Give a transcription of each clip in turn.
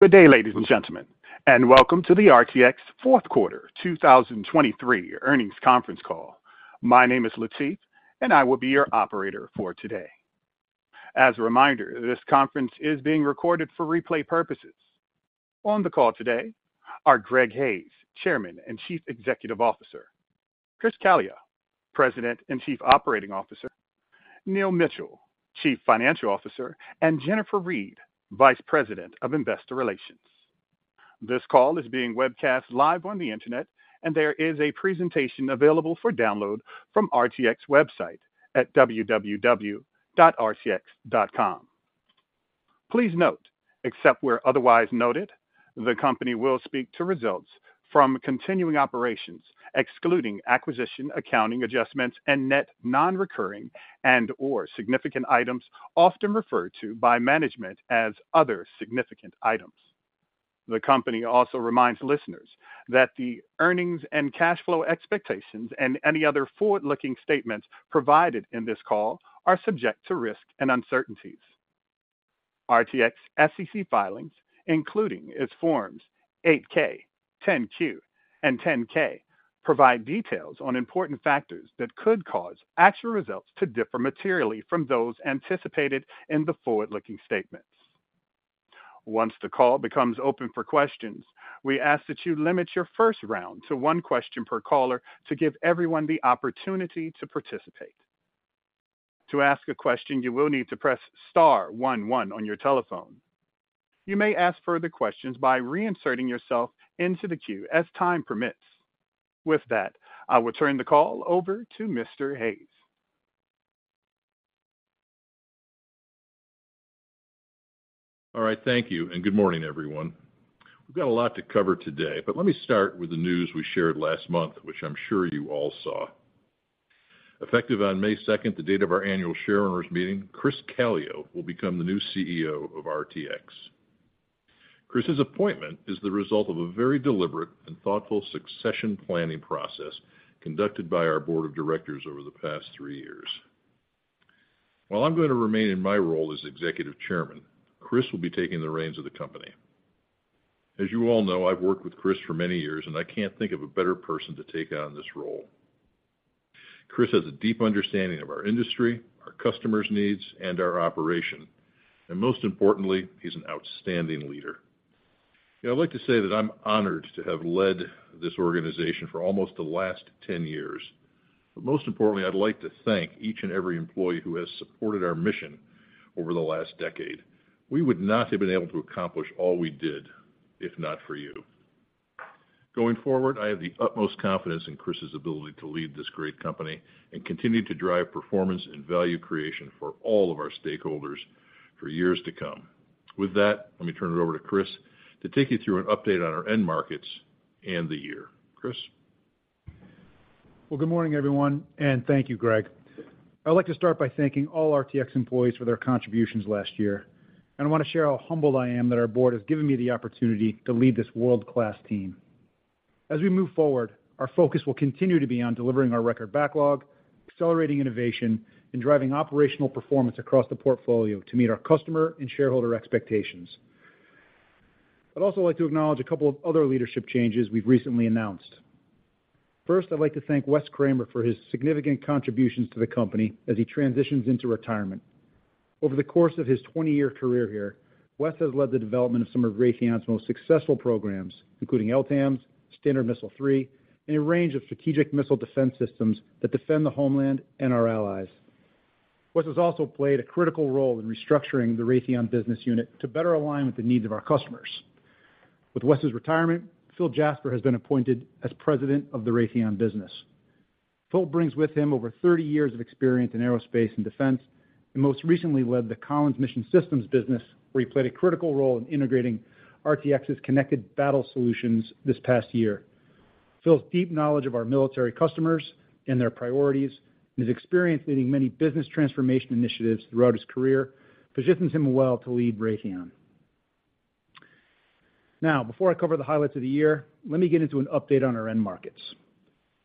Good day, ladies and gentlemen, and welcome to the RTX fourth quarter 2023 earnings conference call. My name is Latif, and I will be your Operator for today. As a reminder, this conference is being recorded for replay purposes. On the call today are Greg Hayes, Chairman and Chief Executive Officer, Chris Calio, President and Chief Operating Officer, Neil Mitchill, Chief Financial Officer, and Jennifer Reed, Vice President of Investor Relations. This call is being webcast live on the Internet, and there is a presentation available for download from RTX website at www.rtx.com. Please note, except where otherwise noted, the company will speak to results from continuing operations, excluding acquisition, accounting adjustments, and net non-recurring and/or significant items, often referred to by management as other significant items. The company also reminds listeners that the earnings and cash flow expectations and any other forward-looking statements provided in this call are subject to risks and uncertainties. RTX SEC filings, including its Forms 8-K, 10-Q, and 10-K, provide details on important factors that could cause actual results to differ materially from those anticipated in the forward-looking statements. Once the call becomes open for questions, we ask that you limit your first round to one question per caller to give everyone the opportunity to participate. To ask a question, you will need to press star one one on your telephone. You may ask further questions by reinserting yourself into the queue as time permits. With that, I will turn the call over to Mr. Hayes. All right, thank you, and good morning, everyone. We've got a lot to cover today, but let me start with the news we shared last month, which I'm sure you all saw. Effective on May second, the date of our annual shareholders meeting, Chris Calio will become the new CEO of RTX. Chris's appointment is the result of a very deliberate and thoughtful succession planning process conducted by our board of directors over the past three years. While I'm going to remain in my role as executive chairman, Chris will be taking the reins of the company. As you all know, I've worked with Chris for many years, and I can't think of a better person to take on this role. Chris has a deep understanding of our industry, our customers' needs, and our operation, and most importantly, he's an outstanding leader. I'd like to say that I'm honored to have led this organization for almost the last 10 years, but most importantly, I'd like to thank each and every employee who has supported our mission over the last decade. We would not have been able to accomplish all we did if not for you. Going forward, I have the utmost confidence in Chris's ability to lead this great company and continue to drive performance and value creation for all of our stakeholders for years to come. With that, let me turn it over to Chris to take you through an update on our end markets and the year. Chris? Well, good morning, everyone, and thank you, Greg. I'd like to start by thanking all RTX employees for their contributions last year, and I want to share how humbled I am that our board has given me the opportunity to lead this world-class team. As we move forward, our focus will continue to be on delivering our record backlog, accelerating innovation, and driving operational performance across the portfolio to meet our customer and shareholder expectations. I'd also like to acknowledge a couple of other leadership changes we've recently announced. First, I'd like to thank Wes Kremer for his significant contributions to the company as he transitions into retirement. Over the course of his 20-year career here, Wes has led the development of some of Raytheon's most successful programs, including LTAMDS, Standard Missile-3, and a range of strategic missile defense systems that defend the homeland and our allies. Wes has also played a critical role in restructuring the Raytheon business unit to better align with the needs of our customers. With Wes's retirement, Phil Jasper has been appointed as President of the Raytheon business. Phil brings with him over 30 years of experience in Aerospace and Defense, and most recently led the Collins Mission Systems business, where he played a critical role in integrating RTX's Connected Battle solutions this past year. Phil's deep knowledge of our Military customers and their priorities, and his experience leading many business transformation initiatives throughout his career, positions him well to lead Raytheon. Now, before I cover the highlights of the year, let me get into an update on our end markets.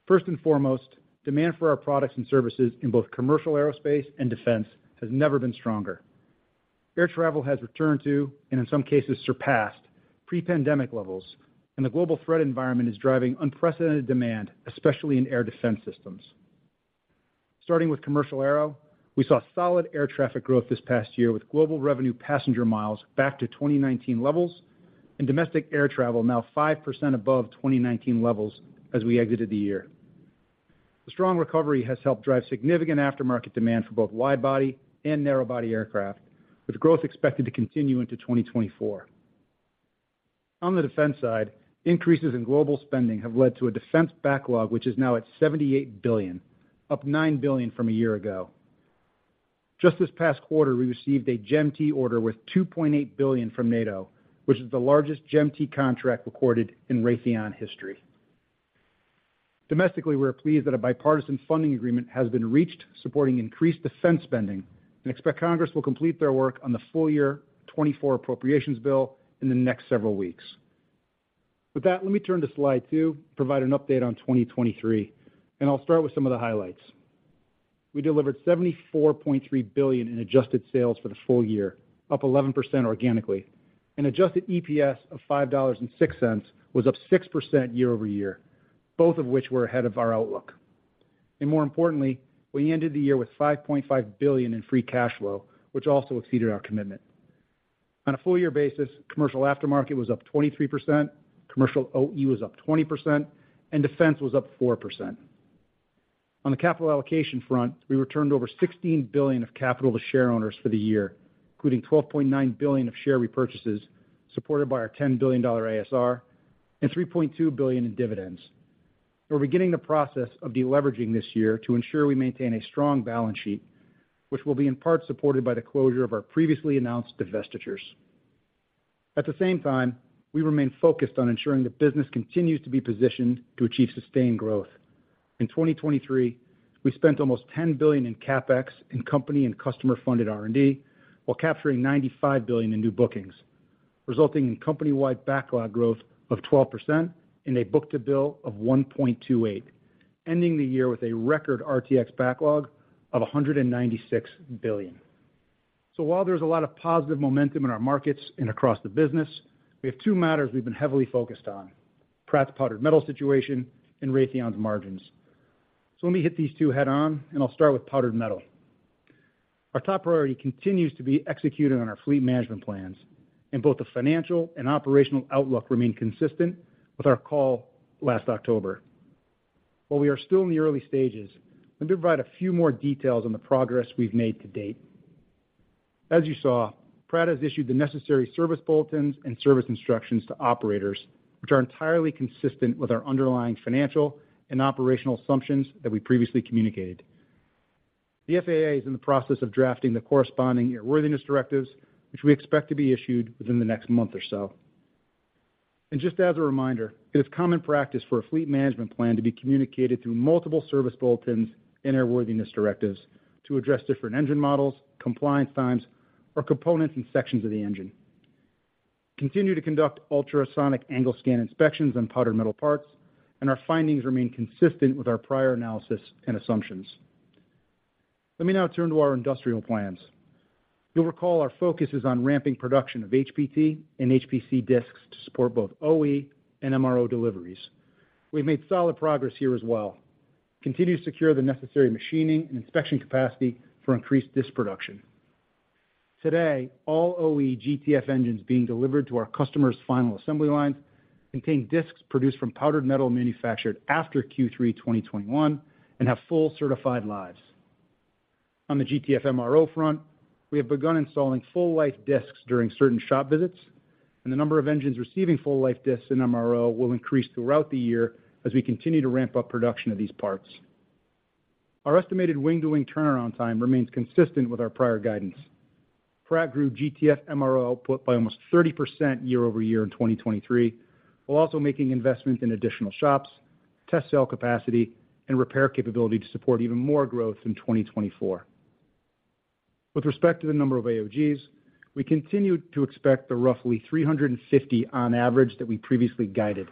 First and foremost, demand for our Products and Services in both Commercial Aerospace and Defense has never been stronger. Air travel has returned to, and in some cases, surpassed pre-pandemic levels, and the global threat environment is driving unprecedented demand, especially in air defense systems. Starting with Commercial Aero, we saw solid air traffic growth this past year, with global revenue passenger miles back to 2019 levels and domestic air travel now 5% above 2019 levels as we exited the year. The strong recovery has helped drive significant aftermarket demand for both wide-body and narrow-body aircraft, with growth expected to continue into 2024. On the defense side, increases in global spending have led to a defense backlog, which is now at $78 billion, up $9 billion from a year ago. Just this past quarter, we received a GEM-T order with $2.8 billion from NATO, which is the largest GEM-T contract recorded in Raytheon history. Domestically, we are pleased that a bipartisan funding agreement has been reached supporting increased defense spending, and expect Congress will complete their work on the full-year 2024 appropriations bill in the next several weeks. With that, let me turn to slide two, provide an update on 2023, and I'll start with some of the highlights. We delivered $74.3 billion in adjusted sales for the full year, up 11% organically, and Adjusted EPS of $5.06 was up 6% year-over-year, both of which were ahead of our outlook. And more importantly, we ended the year with $5.5 billion in free cash flow, which also exceeded our commitment. On a full-year basis, commercial aftermarket was up 23%, Commercial OE was up 20%, and defense was up 4%. On the capital allocation front, we returned over $16 billion of capital to shareowners for the year, including $12.9 billion of share repurchases, supported by our $10 billion ASR and $3.2 billion in dividends. We're beginning the process of deleveraging this year to ensure we maintain a strong balance sheet, which will be in part supported by the closure of our previously announced divestitures. At the same time, we remain focused on ensuring the business continues to be positioned to achieve sustained growth. In 2023, we spent almost $10 billion in CapEx in company and customer-funded R&D, while capturing $95 billion in new bookings, resulting in company-wide backlog growth of 12% and a book-to-bill of 1.28, ending the year with a record RTX backlog of $196 billion. So while there's a lot of positive momentum in our markets and across the business, we have two matters we've been heavily focused on: Pratt's powdered metal situation and Raytheon's margins. So let me hit these two head on, and I'll start with powdered metal. Our top priority continues to be executed on our fleet management plans, and both the Financial and Operational outlook remain consistent with our call last October. While we are still in the early stages, let me provide a few more details on the progress we've made to date. As you saw, Pratt has issued the necessary service bulletins and service instructions to Operators, which are entirely consistent with our underlying financial and operational assumptions that we previously communicated. The FAA is in the process of drafting the corresponding airworthiness directives, which we expect to be issued within the next month or so. Just as a reminder, it is common practice for a fleet management plan to be communicated through multiple service bulletins and airworthiness directives to address different engine models, compliance times, or components and sections of the engine. Continue to conduct ultrasonic angle scan inspections on powdered metal parts, and our findings remain consistent with our prior analysis and assumptions. Let me now turn to our industrial plans. You'll recall our focus is on ramping production of HPT and HPC disks to support both OE and MRO deliveries. We've made solid progress here as well. Continue to secure the necessary machining and inspection capacity for increased disk production. Today, all OE GTF engines being delivered to our customers' final assembly lines contain disks produced from powdered metal manufactured after Q3 2021 and have full certified lives. On the GTF MRO front, we have begun installing full-life disks during certain shop visits, and the number of engines receiving full-life disks in MRO will increase throughout the year as we continue to ramp up production of these parts. Our estimated wing-to-wing turnaround time remains consistent with our prior guidance. Pratt grew GTF MRO output by almost 30% year-over-year in 2023, while also making investments in additional shops, test cell capacity, and repair capability to support even more growth in 2024. With respect to the number of AOGs, we continue to expect the roughly 350 on average that we previously guided.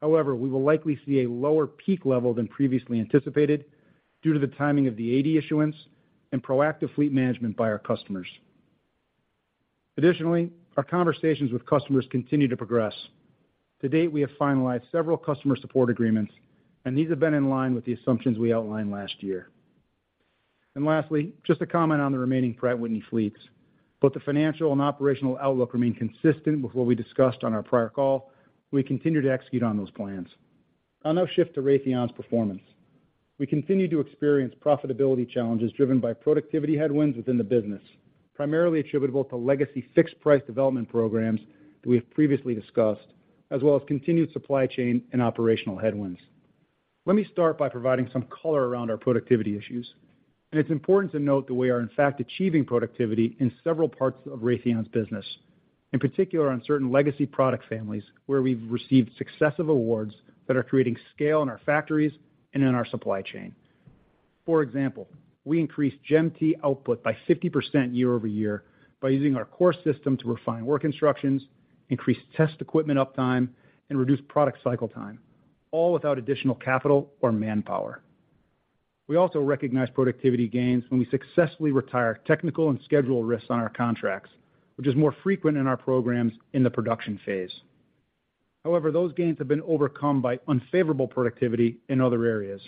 However, we will likely see a lower peak level than previously anticipated due to the timing of the AD issuance and proactive fleet management by our customers. Additionally, our conversations with customers continue to progress. To date, we have finalized several customer support agreements, and these have been in line with the assumptions we outlined last year. Lastly, just a comment on the remaining Pratt & Whitney fleets. Both the financial and operational outlook remain consistent with what we discussed on our prior call. We continue to execute on those plans. I'll now shift to Raytheon's performance. We continue to experience profitability challenges driven by productivity headwinds within the business, primarily attributable to legacy fixed-price development programs that we have previously discussed, as well as continued supply chain and operational headwinds. Let me start by providing some color around our productivity issues, and it's important to note that we are, in fact, achieving productivity in several parts of Raytheon's business, in particular, on certain legacy product families, where we've received successive awards that are creating scale in our factories and in our supply chain. For example, we increased GEM-T output by 50% year-over-year by using our CORE system to refine work instructions, increase test equipment uptime, and reduce product cycle time, all without additional capital or manpower. We also recognize productivity gains when we successfully retire technical and schedule risks on our contracts, which is more frequent in our programs in the production phase. However, those gains have been overcome by unfavorable productivity in other areas.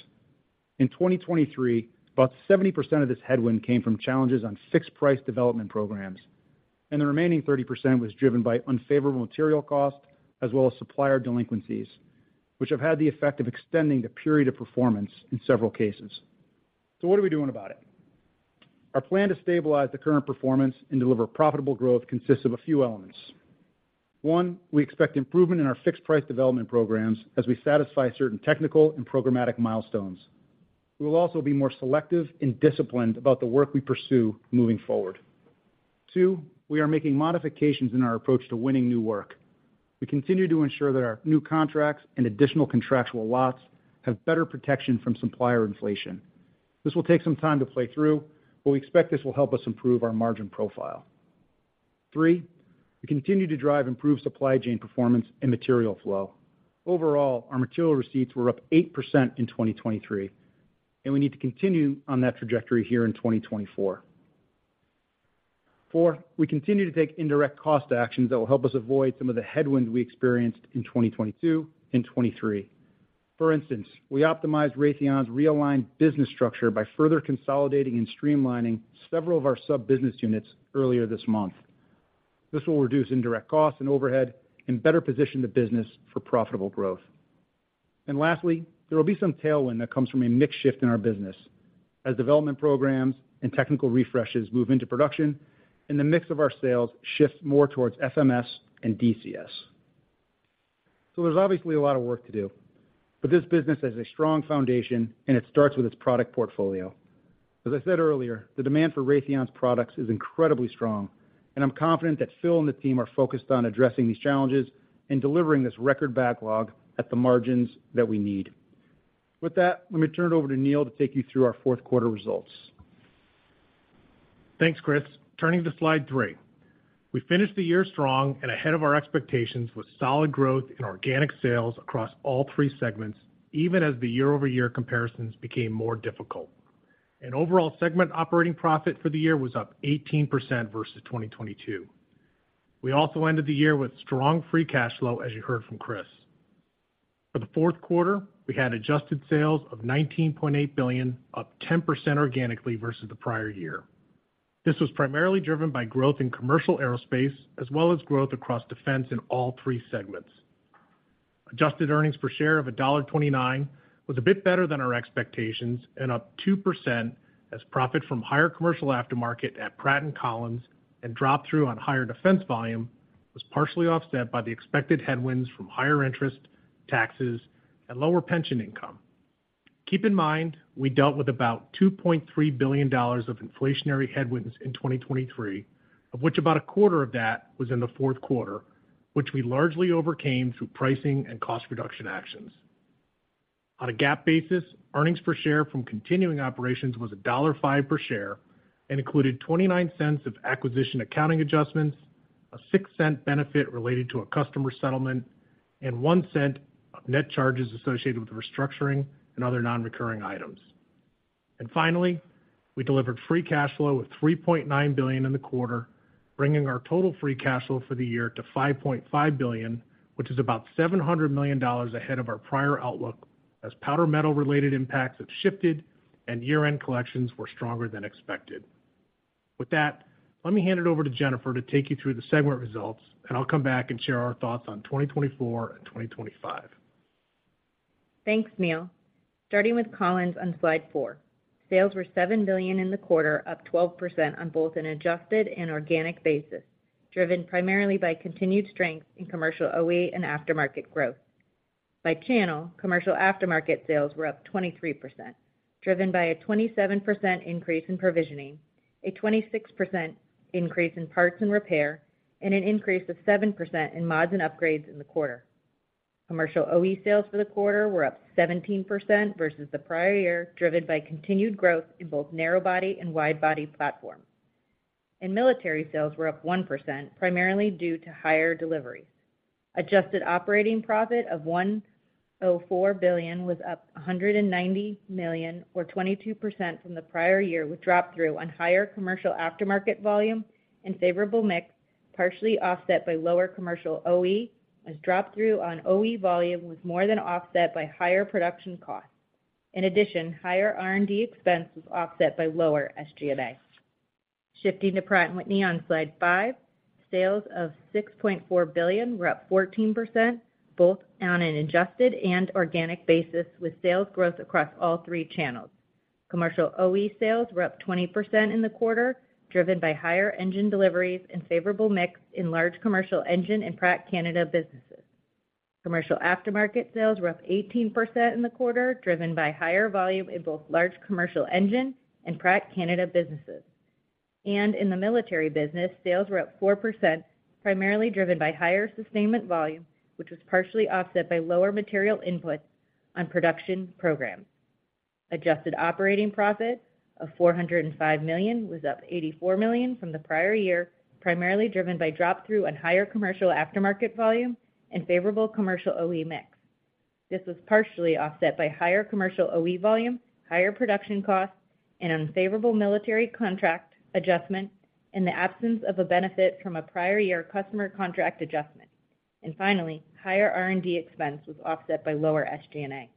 In 2023, about 70% of this headwind came from challenges on fixed-price development programs, and the remaining 30% was driven by unfavorable material costs as well as supplier delinquencies, which have had the effect of extending the period of performance in several cases. So what are we doing about it? Our plan to stabilize the current performance and deliver profitable growth consists of a few elements. One, we expect improvement in our fixed-price development programs as we satisfy certain technical and programmatic milestones. We will also be more selective and disciplined about the work we pursue moving forward. Two, we are making modifications in our approach to winning new work. We continue to ensure that our new contracts and additional contractual lots have better protection from supplier inflation. This will take some time to play through, but we expect this will help us improve our margin profile. Three, we continue to drive improved supply chain performance and material flow. Overall, our material receipts were up 8% in 2023, and we need to continue on that trajectory here in 2024. Four, we continue to take indirect cost actions that will help us avoid some of the headwinds we experienced in 2022 and 2023. For instance, we optimized Raytheon's realigned business structure by further consolidating and streamlining several of our sub-business units earlier this month. This will reduce indirect costs and overhead and better position the business for profitable growth. And lastly, there will be some tailwind that comes from a mix shift in our business as development programs and technical refreshes move into production, and the mix of our sales shifts more towards FMS and DCS. So there's obviously a lot of work to do, but this business has a strong foundation, and it starts with its product portfolio. As I said earlier, the demand for Raytheon's products is incredibly strong, and I'm confident that Phil and the team are focused on addressing these challenges and delivering this record backlog at the margins that we need. With that, let me turn it over to Neil to take you through our fourth quarter results. Thanks, Chris. Turning to slide three. We finished the year strong and ahead of our expectations, with solid growth in organic sales across all three segments, even as the year-over-year comparisons became more difficult. Overall segment operating profit for the year was up 18% versus 2022. We also ended the year with strong free cash flow, as you heard from Chris. For the fourth quarter, we had adjusted sales of $19.8 billion, up 10% organically versus the prior year. This was primarily driven by growth in Commercial Aerospace, as well as growth across defense in all three segments. Adjusted earnings per share of $1.29 was a bit better than our expectations and up 2%, as profit from higher commercial aftermarket at Pratt & Collins and drop-through on higher defense volume was partially offset by the expected headwinds from higher interest, taxes, and lower pension income. Keep in mind, we dealt with about $2.3 billion of inflationary headwinds in 2023, of which about a quarter of that was in the fourth quarter, which we largely overcame through pricing and cost reduction actions. On a GAAP basis, earnings per share from continuing operations was $1.05 per share and included $0.29 of acquisition accounting adjustments, a $0.06 benefit related to a customer settlement, and $0.01 of net charges associated with restructuring and other non-recurring items. And finally, we delivered free cash flow of $3.9 billion in the quarter, bringing our total free cash flow for the year to $5.5 billion, which is about $700 million ahead of our prior outlook, as powder metal-related impacts have shifted and year-end collections were stronger than expected. With that, let me hand it over to Jennifer to take you through the segment results, and I'll come back and share our thoughts on 2024 and 2025. Thanks, Neil. Starting with Collins on slide four. Sales were $7 billion in the quarter, up 12% on both an adjusted and organic basis, driven primarily by continued strength in commercial OE and aftermarket growth. By channel, commercial aftermarket sales were up 23%, driven by a 27% increase in provisioning, a 26% increase in parts and repair, and an increase of 7% in mods and upgrades in the quarter. Commercial OE sales for the quarter were up 17% versus the prior year, driven by continued growth in both narrow-body and wide-body platforms. Military sales were up 1%, primarily due to higher deliveries. Adjusted operating profit of $104 billion was up $190 million, or 22% from the prior year, with drop-through on higher commercial aftermarket volume and favorable mix, partially offset by lower commercial OE, as drop-through on OE volume was more than offset by higher production costs. In addition, higher R&D expense was offset by lower SG&A. Shifting to Pratt & Whitney on slide 5, sales of $6.4 billion were up 14%, both on an adjusted and organic basis, with sales growth across all three channels. Commercial OE sales were up 20% in the quarter, driven by higher engine deliveries and favorable mix in large commercial engine and Pratt Canada businesses. Commercial aftermarket sales were up 18% in the quarter, driven by higher volume in both large commercial engine and Pratt Canada businesses. In the military business, sales were up 4%, primarily driven by higher sustainment volume, which was partially offset by lower material inputs on production programs. Adjusted operating profit of $405 million was up $84 million from the prior year, primarily driven by drop-through and higher commercial aftermarket volume and favorable commercial OE mix. This was partially offset by higher commercial OE volume, higher production costs, an unfavorable military contract adjustment, and the absence of a benefit from a prior-year customer contract adjustment. And finally, higher R&D expense was offset by lower SG&A.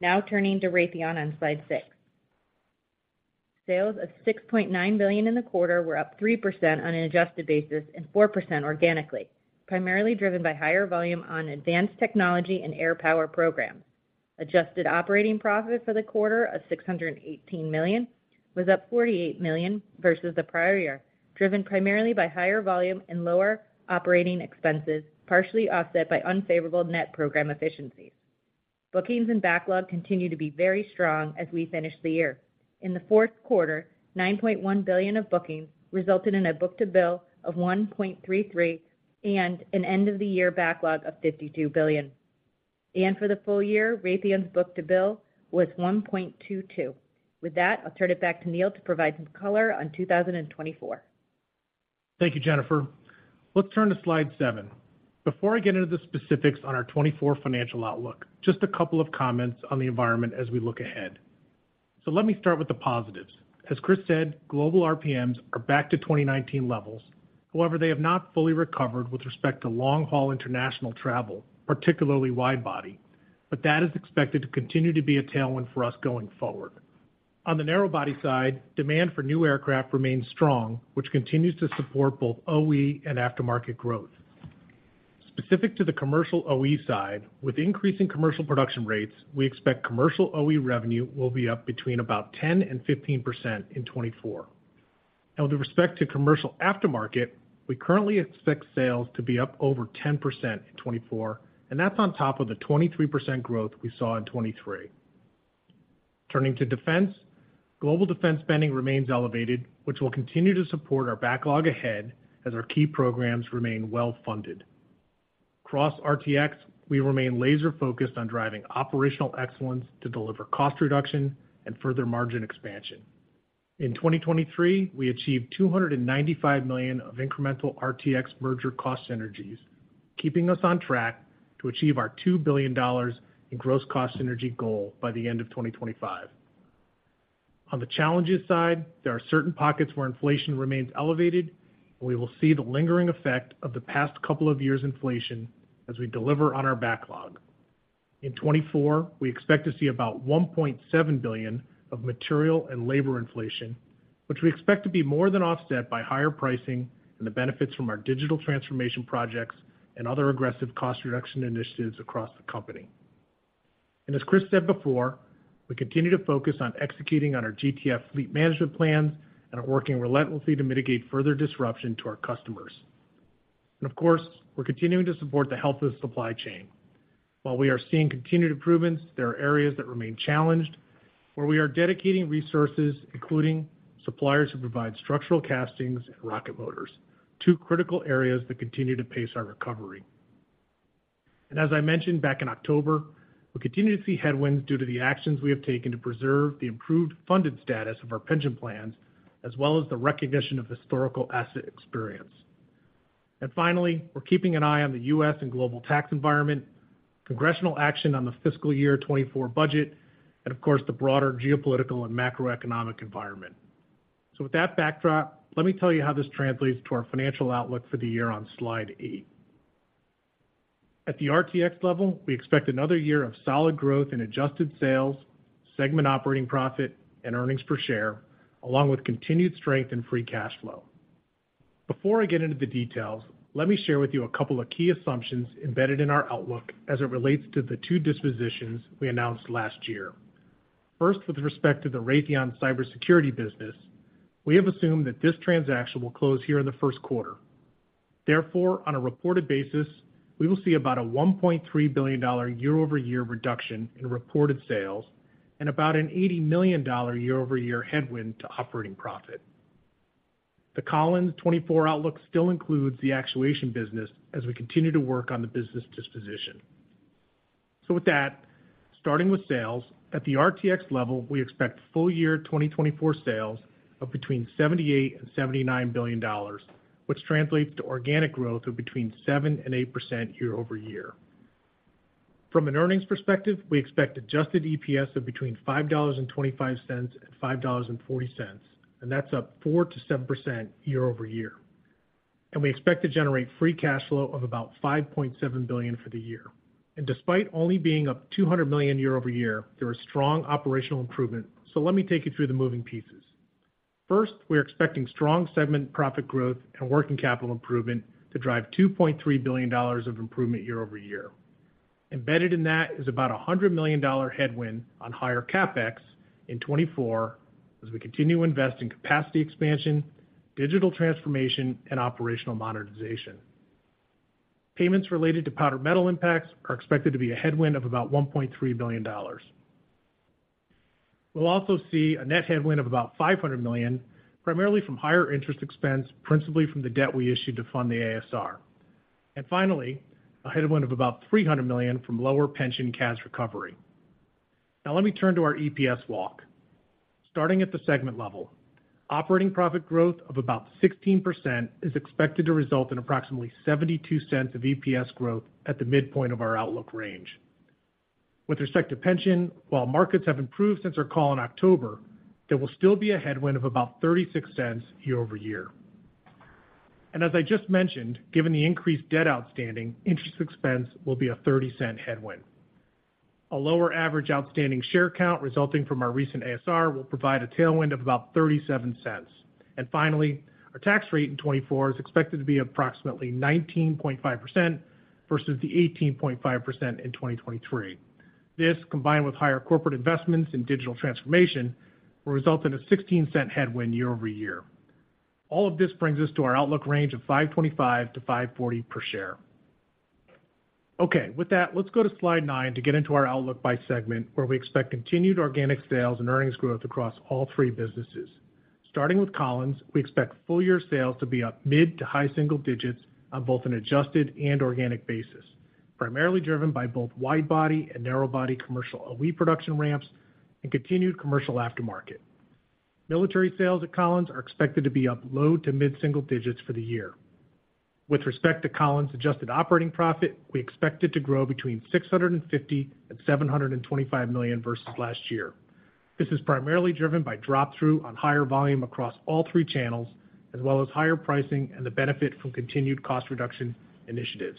Now turning to Raytheon on slide six. Sales of $6.9 billion in the quarter were up 3% on an adjusted basis and 4% organically, primarily driven by higher volume on advanced technology and air power programs. Adjusted operating profit for the quarter of $618 million was up $48 million versus the prior year, driven primarily by higher volume and lower operating expenses, partially offset by unfavorable net program efficiencies. Bookings and backlog continue to be very strong as we finish the year. In the fourth quarter, $9.1 billion of bookings resulted in a book-to-bill of 1.33, and an end-of-year backlog of $52 billion. And for the full year, Raytheon's book-to-bill was 1.22. With that, I'll turn it back to Neil to provide some color on 2024. Thank you, Jennifer. Let's turn to slide seven. Before I get into the specifics on our 2024 financial outlook, just a couple of comments on the environment as we look ahead. So let me start with the positives. As Chris said, global RPMs are back to 2019 levels. However, they have not fully recovered with respect to long-haul international travel, particularly wide body, but that is expected to continue to be a tailwind for us going forward. On the narrow body side, demand for new aircraft remains strong, which continues to support both OE and aftermarket growth. Specific to the commercial OE side, with increasing commercial production rates, we expect commercial OE revenue will be up between about 10%-15% in 2024. Now, with respect to commercial aftermarket, we currently expect sales to be up over 10% in 2024, and that's on top of the 23% growth we saw in 2023. Turning to defense, global defense spending remains elevated, which will continue to support our backlog ahead as our key programs remain well funded. Across RTX, we remain laser focused on driving operational excellence to deliver cost reduction and further margin expansion. In 2023, we achieved $295 million of incremental RTX merger cost synergies, keeping us on track to achieve our $2 billion in gross cost synergy goal by the end of 2025. On the challenges side, there are certain pockets where inflation remains elevated, and we will see the lingering effect of the past couple of years' inflation as we deliver on our backlog. In 2024, we expect to see about $1.7 billion of material and labor inflation, which we expect to be more than offset by higher pricing and the benefits from our digital transformation projects and other aggressive cost reduction initiatives across the company. As Chris said before, we continue to focus on executing on our GTF fleet management plans and are working relentlessly to mitigate further disruption to our customers. Of course, we're continuing to support the health of the supply chain. While we are seeing continued improvements, there are areas that remain challenged, where we are dedicating resources, including suppliers, who provide structural castings and rocket motors, two critical areas that continue to pace our recovery. As I mentioned back in October, we continue to see headwinds due to the actions we have taken to preserve the improved funded status of our pension plans, as well as the recognition of historical asset experience. Finally, we're keeping an eye on the U.S. and global tax environment, congressional action on the fiscal year 2024 budget, and of course, the broader geopolitical and macroeconomic environment. With that backdrop, let me tell you how this translates to our financial outlook for the year on slide 8. At the RTX level, we expect another year of solid growth in adjusted sales, segment operating profit, and earnings per share, along with continued strength and free cash flow. Before I get into the details, let me share with you a couple of key assumptions embedded in our outlook as it relates to the two dispositions we announced last year. First, with respect to the Raytheon Cybersecurity business, we have assumed that this transaction will close here in the first quarter. Therefore, on a reported basis, we will see about a $1.3 billion year-over-year reduction in reported sales and about an $80 million year-over-year headwind to operating profit. The Collins' 2024 outlook still includes the actuation business as we continue to work on the business disposition. So with that, starting with sales, at the RTX level, we expect full year 2024 sales of between $78 billion and $79 billion, which translates to organic growth of between 7% and 8% year-over-year. From an earnings perspective, we expect adjusted EPS of between $5.25 and $5.40, and that's up 4%-7% year-over-year. We expect to generate free cash flow of about $5.7 billion for the year. Despite only being up $200 million year-over-year, there are strong operational improvements. So let me take you through the moving pieces. First, we're expecting strong segment profit growth and working capital improvement to drive $2.3 billion of improvement year-over-year. Embedded in that is about a $100 million headwind on higher CapEx in 2024, as we continue to invest in capacity expansion, digital transformation, and operational modernization. Payments related to powdered metal impacts are expected to be a headwind of about $1.3 billion. We'll also see a net headwind of about $500 million, primarily from higher interest expense, principally from the debt we issued to fund the ASR. Finally, a headwind of about $300 million from lower pension cash recovery. Now, let me turn to our EPS walk. Starting at the segment level, operating profit growth of about 16% is expected to result in approximately $0.72 of EPS growth at the midpoint of our outlook range. With respect to pension, while markets have improved since our call in October, there will still be a headwind of about $0.36 year-over-year. And as I just mentioned, given the increased debt outstanding, interest expense will be a $0.30 headwind. A lower average outstanding share count resulting from our recent ASR will provide a tailwind of about $0.37. And finally, our tax rate in 2024 is expected to be approximately 19.5% versus the 18.5% in 2023. This, combined with higher corporate investments in digital transformation, will result in a 16-cent headwind year-over-year. All of this brings us to our outlook range of $5.25-$5.40 per share. Okay, with that, let's go to slide 9 to get into our outlook by segment, where we expect continued organic sales and earnings growth across all three businesses. Starting with Collins, we expect full-year sales to be up mid- to high-single digits on both an adjusted and organic basis, primarily driven by both wide-body and narrow-body commercial OE production ramps and continued commercial aftermarket. Military sales at Collins are expected to be up low- to mid-single digits for the year. With respect to Collins' adjusted operating profit, we expect it to grow between $650 million and $725 million versus last year. This is primarily driven by drop-through on higher volume across all three channels, as well as higher pricing and the benefit from continued cost reduction initiatives.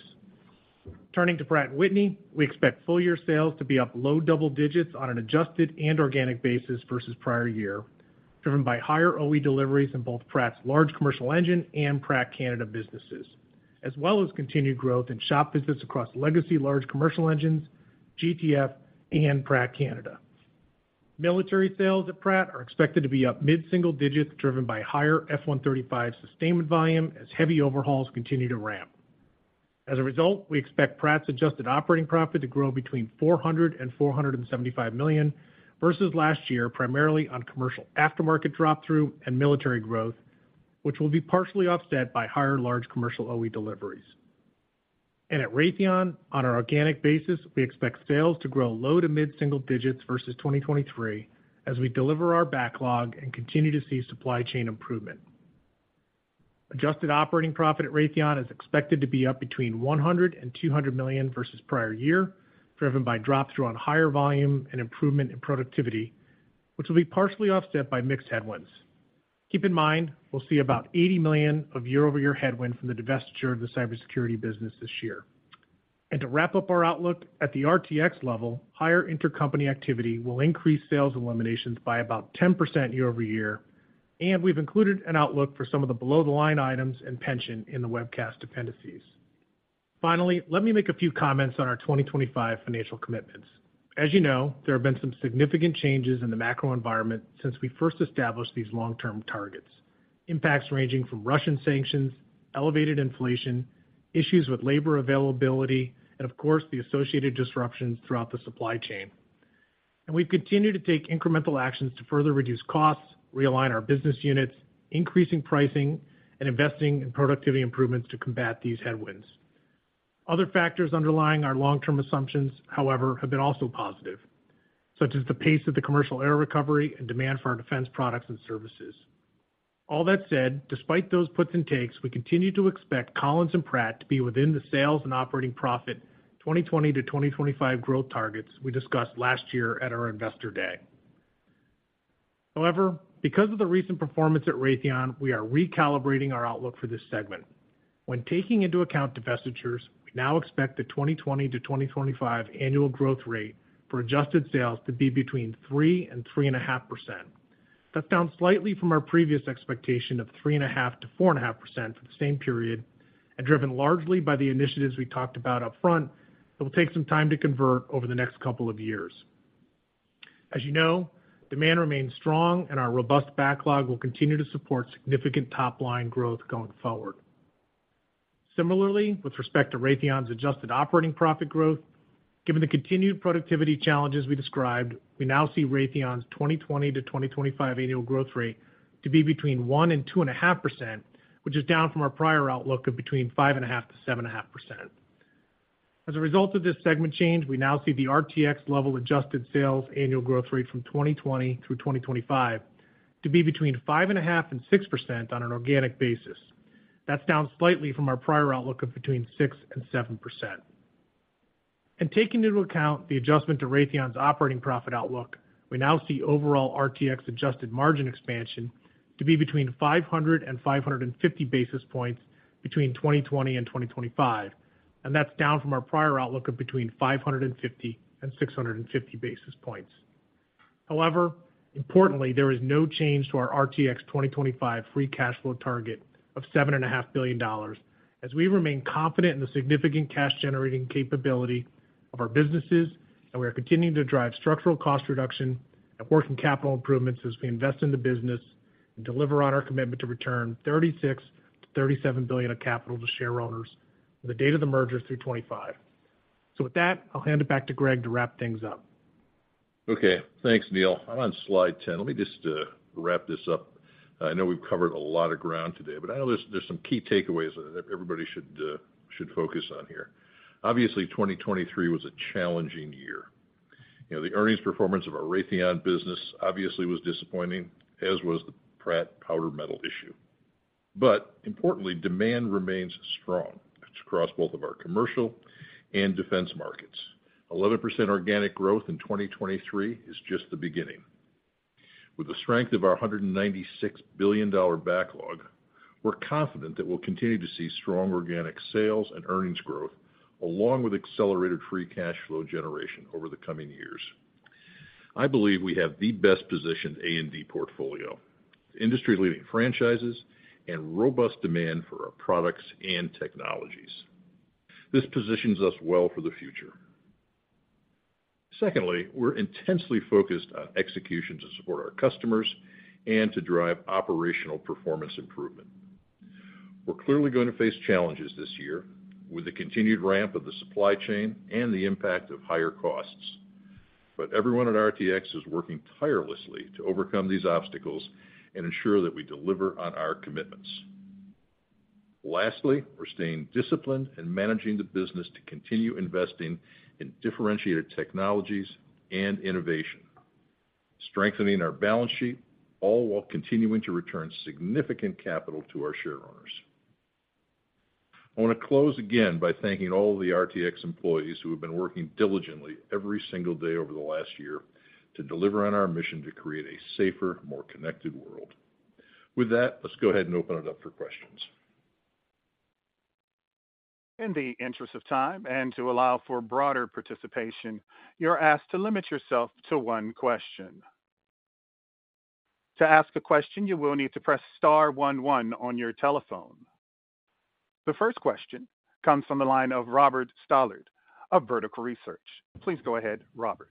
Turning to Pratt & Whitney, we expect full year sales to be up low double digits on an adjusted and organic basis versus prior year, driven by higher OE deliveries in both Pratt's large commercial engine and Pratt Canada businesses, as well as continued growth in shop visits across legacy large commercial engines, GTF and Pratt Canada. Military sales at Pratt are expected to be up mid-single digits, driven by higher F135 sustainment volume as heavy overhauls continue to ramp. As a result, we expect Pratt's adjusted operating profit to grow between $400 million and $475 million versus last year, primarily on commercial aftermarket drop-through and military growth, which will be partially offset by higher large commercial OE deliveries. At Raytheon, on an organic basis, we expect sales to grow low to mid-single digits versus 2023 as we deliver our backlog and continue to see supply chain improvement. Adjusted operating profit at Raytheon is expected to be up between $100 million and $200 million versus prior year, driven by drop-through on higher volume and improvement in productivity, which will be partially offset by mixed headwinds. Keep in mind, we'll see about $80 million of year-over-year headwind from the divestiture of the cybersecurity business this year. To wrap up our outlook at the RTX level, higher intercompany activity will increase sales eliminations by about 10% year-over-year, and we've included an outlook for some of the below-the-line items and pension in the webcast dependencies. Finally, let me make a few comments on our 2025 financial commitments. As you know, there have been some significant changes in the macro environment since we first established these long-term targets. Impacts ranging from Russian sanctions, elevated inflation, issues with labor availability, and of course, the associated disruptions throughout the supply chain. We've continued to take incremental actions to further reduce costs, realign our business units, increasing pricing, and investing in productivity improvements to combat these headwinds. Other factors underlying our long-term assumptions, however, have been also positive, such as the pace of the commercial air recovery and demand for our defense products and services. All that said, despite those puts and takes, we continue to expect Collins and Pratt to be within the sales and operating profit 2020 to 2025 growth targets we discussed last year at our Investor Day. However, because of the recent performance at Raytheon, we are recalibrating our outlook for this segment. When taking into account divestitures, we now expect the 2020 to 2025 annual growth rate for adjusted sales to be between 3% and 3.5%. That's down slightly from our previous expectation of 3.5%-4.5% for the same period, and driven largely by the initiatives we talked about upfront, that will take some time to convert over the next couple of years. As you know, demand remains strong, and our robust backlog will continue to support significant top-line growth going forward. Similarly, with respect to Raytheon's adjusted operating profit growth, given the continued productivity challenges we described, we now see Raytheon's 2020 to 2025 annual growth rate to be between 1%-2.5%, which is down from our prior outlook of between 5.5%-7.5%. As a result of this segment change, we now see the RTX level adjusted sales annual growth rate from 2020 through 2025 to be between 5.5%-6% on an organic basis. That's down slightly from our prior outlook of between 6%-7%. Taking into account the adjustment to Raytheon's operating profit outlook, we now see overall RTX adjusted margin expansion to be between 500-550 basis points between 2020 and 2025, and that's down from our prior outlook of between 550-650 basis points. However, importantly, there is no change to our RTX 2025 free cash flow target of $7.5 billion, as we remain confident in the significant cash-generating capability of our businesses, and we are continuing to drive structural cost reduction and working capital improvements as we invest in the business and deliver on our commitment to return $36 billion-$37 billion of capital to share owners from the date of the merger through 2025. So with that, I'll hand it back to Greg to wrap things up. Okay, thanks, Neil. I'm on slide 10. Let me just wrap this up. I know we've covered a lot of ground today, but I know there's, there's some key takeaways that everybody should should focus on here. Obviously, 2023 was a challenging year. You know, the earnings performance of our Raytheon business obviously was disappointing, as was the Pratt & Whitney powdered metal issue. But importantly, demand remains strong across both of our commercial and defense markets. 11% organic growth in 2023 is just the beginning. With the strength of our $196 billion backlog, we're confident that we'll continue to see strong organic sales and earnings growth, along with accelerated free cash flow generation over the coming years. I believe we have the best-positioned AND portfolio, industry-leading franchises, and robust demand for our products and technologies. This positions us well for the future. ... secondly, we're intensely focused on execution to support our customers and to drive operational performance improvement. We're clearly going to face challenges this year with the continued ramp of the supply chain and the impact of higher costs. But everyone at RTX is working tirelessly to overcome these obstacles and ensure that we deliver on our commitments. Lastly, we're staying disciplined and managing the business to continue investing in differentiated technologies and innovation, strengthening our balance sheet, all while continuing to return significant capital to our shareowners. I want to close again by thanking all the RTX employees who have been working diligently every single day over the last year to deliver on our mission to create a safer, more connected world. With that, let's go ahead and open it up for questions. In the interest of time and to allow for broader participation, you're asked to limit yourself to one question. To ask a question, you will need to press star one, one on your telephone. The first question comes from the line of Robert Stallard of Vertical Research. Please go ahead, Robert.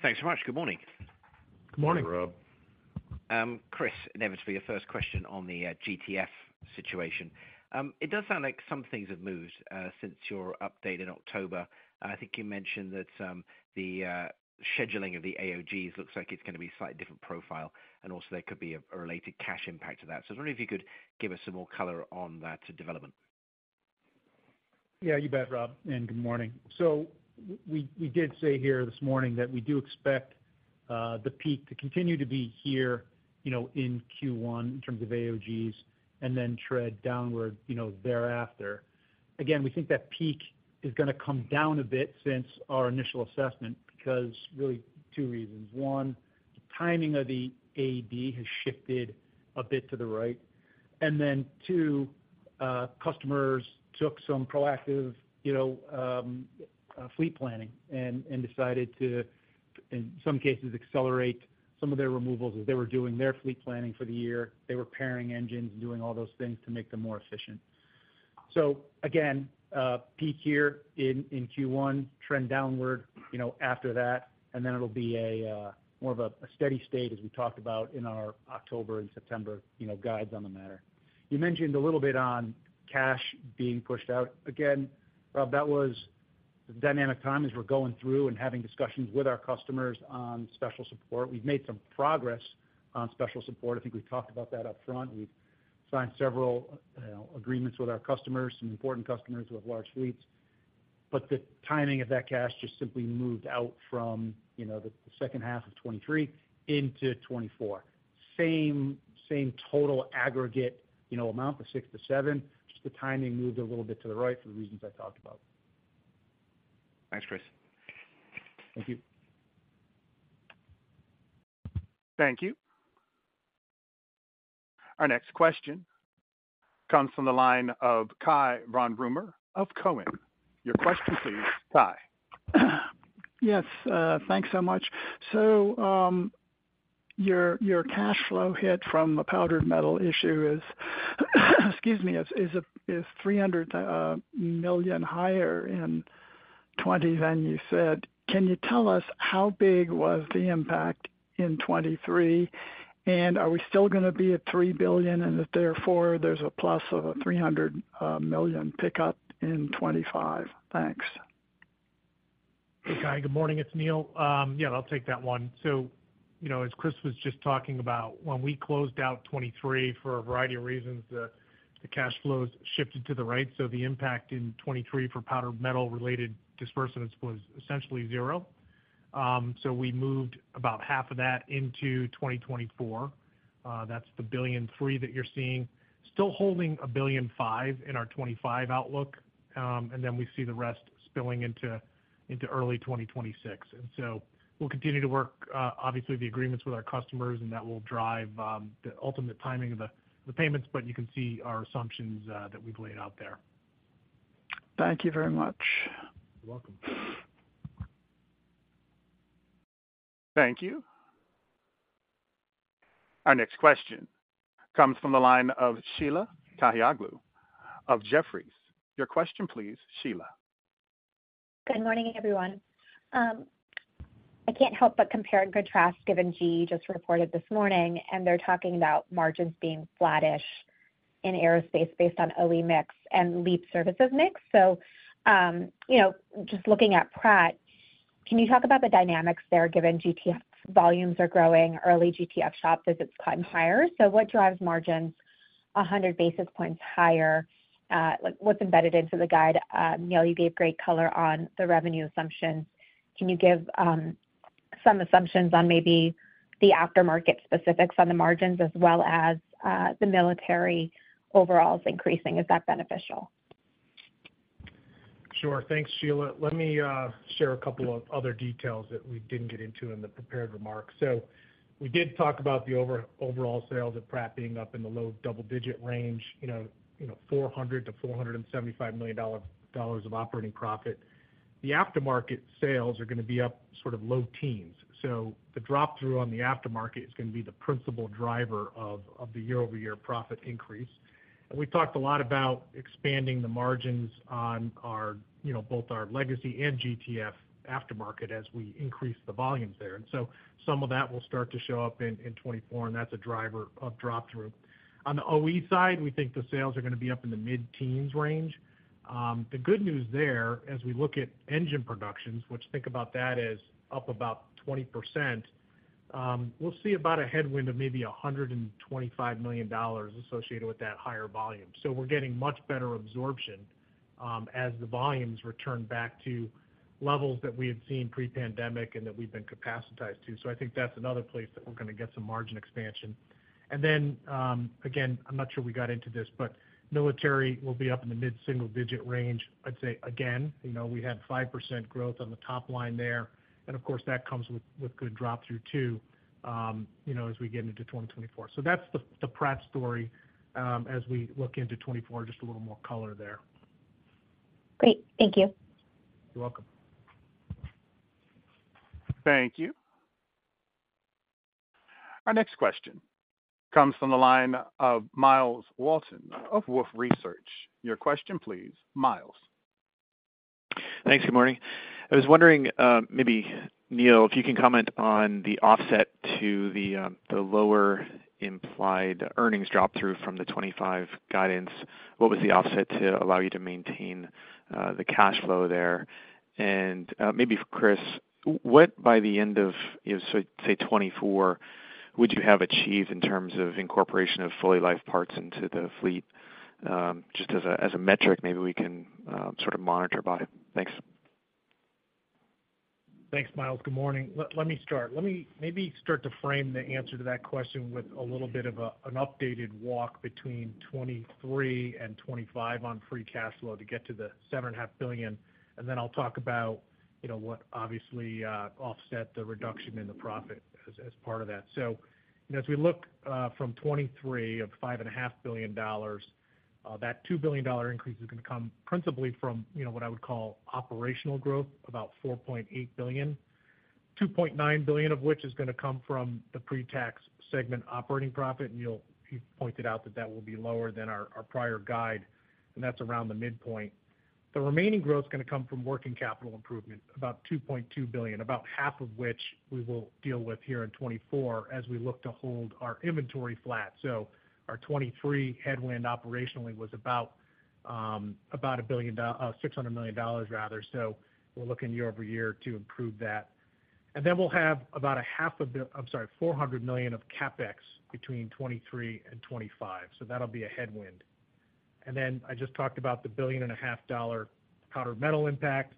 Thanks so much. Good morning. Good morning, Rob. Chris, inevitably, your first question on the GTF situation. It does sound like some things have moved since your update in October. I think you mentioned that the scheduling of the AOGs looks like it's gonna be a slightly different profile, and also there could be a related cash impact to that. So I was wondering if you could give us some more color on that development. Yeah, you bet, Rob, and good morning. So we did say here this morning that we do expect the peak to continue to be here, you know, in Q1, in terms of AOGs, and then tread downward, you know, thereafter. Again, we think that peak is gonna come down a bit since our initial assessment, because really two reasons: one, the timing of the AD has shifted a bit to the right, and then two, customers took some proactive, you know, fleet planning and decided to, in some cases, accelerate some of their removals. As they were doing their fleet planning for the year, they were pairing engines and doing all those things to make them more efficient. So again, peak year in Q1, trend downward, you know, after that, and then it'll be more of a steady state, as we talked about in our October and September, you know, guides on the matter. You mentioned a little bit on cash being pushed out. Again, Rob, that was dynamic times as we're going through and having discussions with our customers on special support. We've made some progress on special support. I think we've talked about that up front. We've signed several agreements with our customers, some important customers who have large fleets, but the timing of that cash just simply moved out from, you know, the second half of 2023 into 2024. Same, same total aggregate, you know, amount of $6-$7, just the timing moved a little bit to the right for the reasons I talked about. Thanks, Chris. Thank you. Thank you. Our next question comes from the line of Kai von Rumohr of Cowen. Your question, please, Kai. Yes, thanks so much. So, your cash flow hit from the powdered metal issue is $300 million higher in 2020 than you said. Can you tell us how big was the impact in 2023? And are we still gonna be at $3 billion, and if therefore, there's a plus of a $300 million pickup in 2025? Thanks. Hey, Kai, good morning, it's Neil. Yeah, I'll take that one. So, you know, as Chris was just talking about, when we closed out 2023, for a variety of reasons, the cash flows shifted to the right. So the impact in 2023 for powdered metal-related disbursements was essentially zero. So we moved about half of that into 2024. That's the $1.3 billion that you're seeing. Still holding a $1.5 billion in our 2025 outlook, and then we see the rest spilling into early 2026. And so we'll continue to work, obviously, the agreements with our customers, and that will drive the ultimate timing of the payments, but you can see our assumptions that we've laid out there. Thank you very much. You're welcome. Thank you. Our next question comes from the line of Sheila Kahyaoglu of Jefferies. Your question, please, Sheila. Good morning, everyone. I can't help but compare and contrast, given GE just reported this morning, and they're talking about margins being flattish in Aerospace, based on OE mix and LEAP services mix. So, you know, just looking at Pratt, can you talk about the dynamics there, given GTF volumes are growing, early GTF shop visits gotten higher? So what drives margins 100 basis points higher? Like, what's embedded into the guide? Neil, you gave great color on the revenue assumptions. Can you give some assumptions on maybe the aftermarket specifics on the margins, as well as the military overall is increasing? Is that beneficial? Sure. Thanks, Sheila. Let me share a couple of other details that we didn't get into in the prepared remarks. So we did talk about the overall sales of Pratt being up in the low double-digit range, you know, $400 million-$475 million of operating profit. The aftermarket sales are going to be up sort of low teens. So the drop-through on the aftermarket is going to be the principal driver of the year-over-year profit increase. And we've talked a lot about expanding the margins on our, you know, both our legacy and GTF aftermarket as we increase the volumes there. And so some of that will start to show up in 2024, and that's a driver of drop-through. On the OE side, we think the sales are going to be up in the mid-teens range. The good news there, as we look at engine productions, which think about that as up about 20%, we'll see about a headwind of maybe $125 million associated with that higher volume. So we're getting much better absorption, as the volumes return back to levels that we had seen pre-pandemic and that we've been capacitized to. So I think that's another place that we're going to get some margin expansion. And then, again, I'm not sure we got into this, but military will be up in the mid-single digit range. I'd say again, you know, we had 5% growth on the top line there. And of course, that comes with good drop-through too, you know, as we get into 2024. So that's the Pratt story, as we look into 2024. Just a little more color there. Great. Thank you. You're welcome. Thank you. Our next question comes from the line of Myles Walton of Wolfe Research. Your question, please, Miles? Thanks. Good morning. I was wondering, maybe, Neil, if you can comment on the offset to the, the lower implied earnings drop-through from the 25 guidance. What was the offset to allow you to maintain, the cash flow there? And, maybe Chris, what by the end of, you know, say, say 2024, would you have achieved in terms of incorporation of full life parts into the fleet? Just as a, as a metric, maybe we can, sort of monitor by. Thanks. Thanks, Myles. Good morning. Let me start to frame the answer to that question with a little bit of an updated walk between 2023 and 2025 on free cash flow to get to the $7.5 billion. And then I'll talk about, you know, what obviously offset the reduction in the profit as part of that. So, you know, as we look from 2023 of $5.5 billion, that $2 billion increase is going to come principally from, you know, what I would call operational growth, about $4.8 billion, $2.9 billion of which is going to come from the pre-tax segment operating profit. And you pointed out that that will be lower than our prior guide, and that's around the midpoint. The remaining growth is going to come from working capital improvement, about $2.2 billion, about half of which we will deal with here in 2024 as we look to hold our inventory flat. So our 2023 headwind operationally was about $600 million, rather. So we're looking year-over-year to improve that. And then we'll have about $400 million of CapEx between 2023 and 2025. So that'll be a headwind. And then I just talked about the $1.5 billion powdered metal impact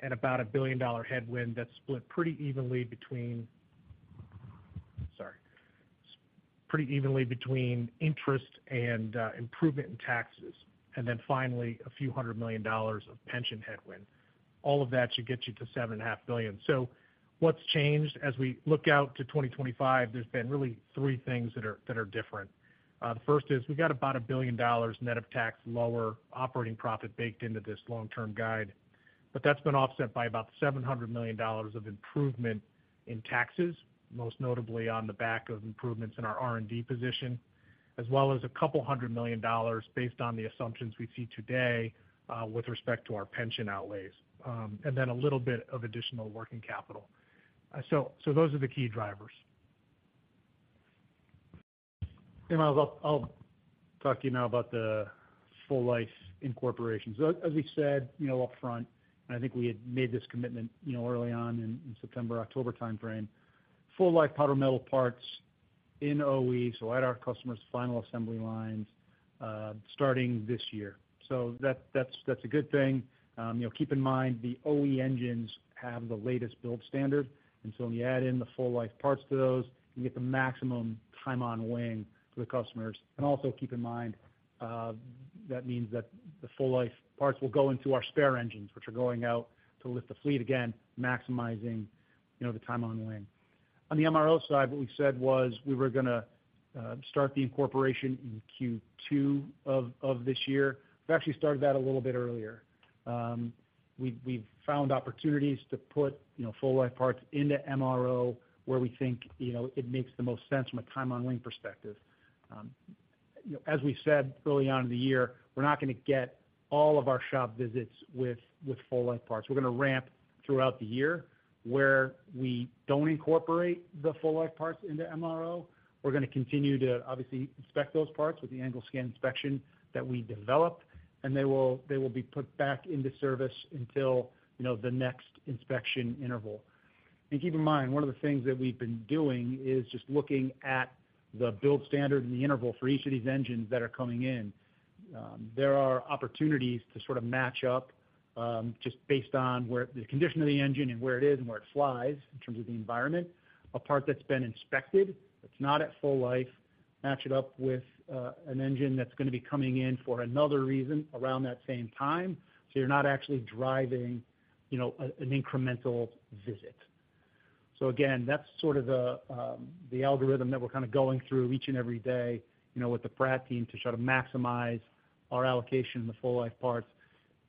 and about a $1 billion headwind that's split pretty evenly between interest and improvement in taxes. And then finally, a few hundred million dollars of pension headwind. All of that should get you to $7.5 billion. So what's changed? As we look out to 2025, there's been really three things that are different. The first is we've got about $1 billion net of tax, lower operating profit baked into this long-term guide, but that's been offset by about $700 million of improvement in taxes, most notably on the back of improvements in our R&D position, as well as $200 million, based on the assumptions we see today, with respect to our pension outlays, and then a little bit of additional working capital. So those are the key drivers. Hey, Miles, I'll talk to you now about the full life incorporation. So as we said, you know, upfront, and I think we had made this commitment, you know, early on in September, October timeframe, full life powder metal parts in OE, so at our customers' final assembly lines, starting this year. So that's a good thing. You know, keep in mind, the OE engines have the latest build standard, and so when you add in the full life parts to those, you get the maximum time on wing for the customers. And also keep in mind, that means that the full life parts will go into our spare engines, which are going out to lift the fleet, again, maximizing, you know, the time on wing. On the MRO side, what we said was we were gonna start the incorporation in Q2 of this year. We've actually started that a little bit earlier. We've found opportunities to put, you know, full life parts into MRO, where we think, you know, it makes the most sense from a time on wing perspective. You know, as we said early on in the year, we're not going to get all of our shop visits with full life parts. We're going to ramp throughout the year where we don't incorporate the full life parts into MRO. We're going to continue to obviously inspect those parts with the angle scan inspection that we developed, and they will be put back into service until, you know, the next inspection interval. Keep in mind, one of the things that we've been doing is just looking at the build standard and the interval for each of these engines that are coming in. There are opportunities to sort of match up, just based on where the condition of the engine and where it is and where it flies in terms of the environment, a part that's been inspected, that's not at full life, match it up with, an engine that's going to be coming in for another reason around that same time, so you're not actually driving, you know, an incremental visit. Again, that's sort of the algorithm that we're kind of going through each and every day, you know, with the Pratt team to try to maximize our allocation in the full life parts.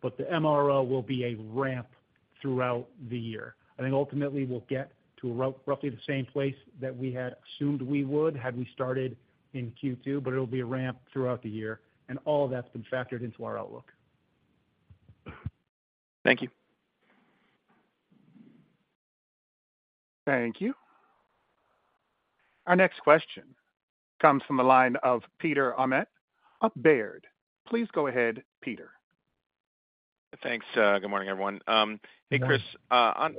But the MRO will be a ramp throughout the year. I think ultimately, we'll get to roughly the same place that we had assumed we would, had we started in Q2, but it'll be a ramp throughout the year, and all that's been factored into our outlook. Thank you. Thank you. Our next question comes from the line of Peter Arment of Baird. Please go ahead, Peter. Thanks. Good morning, everyone. Hey, Chris, on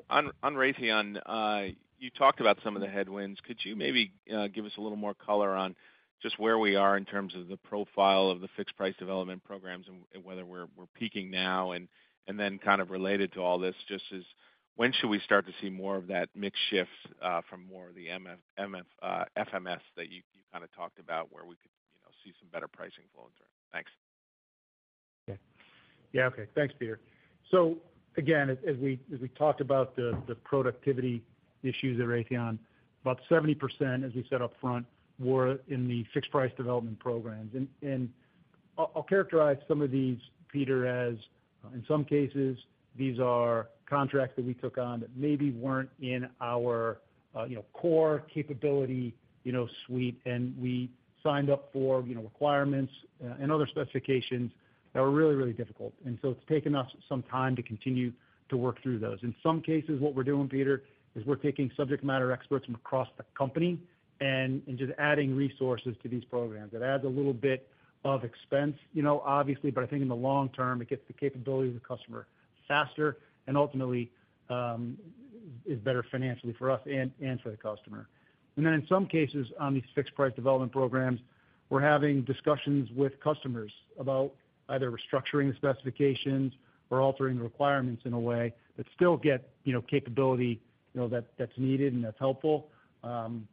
Raytheon, you talked about some of the headwinds. Could you maybe give us a little more color on just where we are in terms of the profile of the fixed price development programs and whether we're peaking now? And then kind of related to all this, just when should we start to see more of that mix shift from more of the FMS that you kind of talked about, where we could, you know, see some better pricing flow through? Thanks. Yeah. Okay. Thanks, Peter. So again, as we talked about the productivity issues at Raytheon, about 70%, as we said up front, were in the fixed price development programs. And I'll characterize some of these, Peter, as in some cases, these are contracts that we took on that maybe weren't in our, you know, core capability, you know, suite, and we signed up for, you know, requirements and other specifications that were really, really difficult. And so it's taken us some time to continue to work through those. In some cases, what we're doing, Peter, is we're taking subject matter experts from across the company and just adding resources to these programs. It adds a little bit of expense, you know, obviously, but I think in the long term, it gets the capability to the customer faster and ultimately, is better financially for us and for the customer. And then in some cases, on these fixed price development programs, we're having discussions with customers about either restructuring the specifications or altering the requirements in a way that still get, you know, capability, you know, that's needed and that's helpful,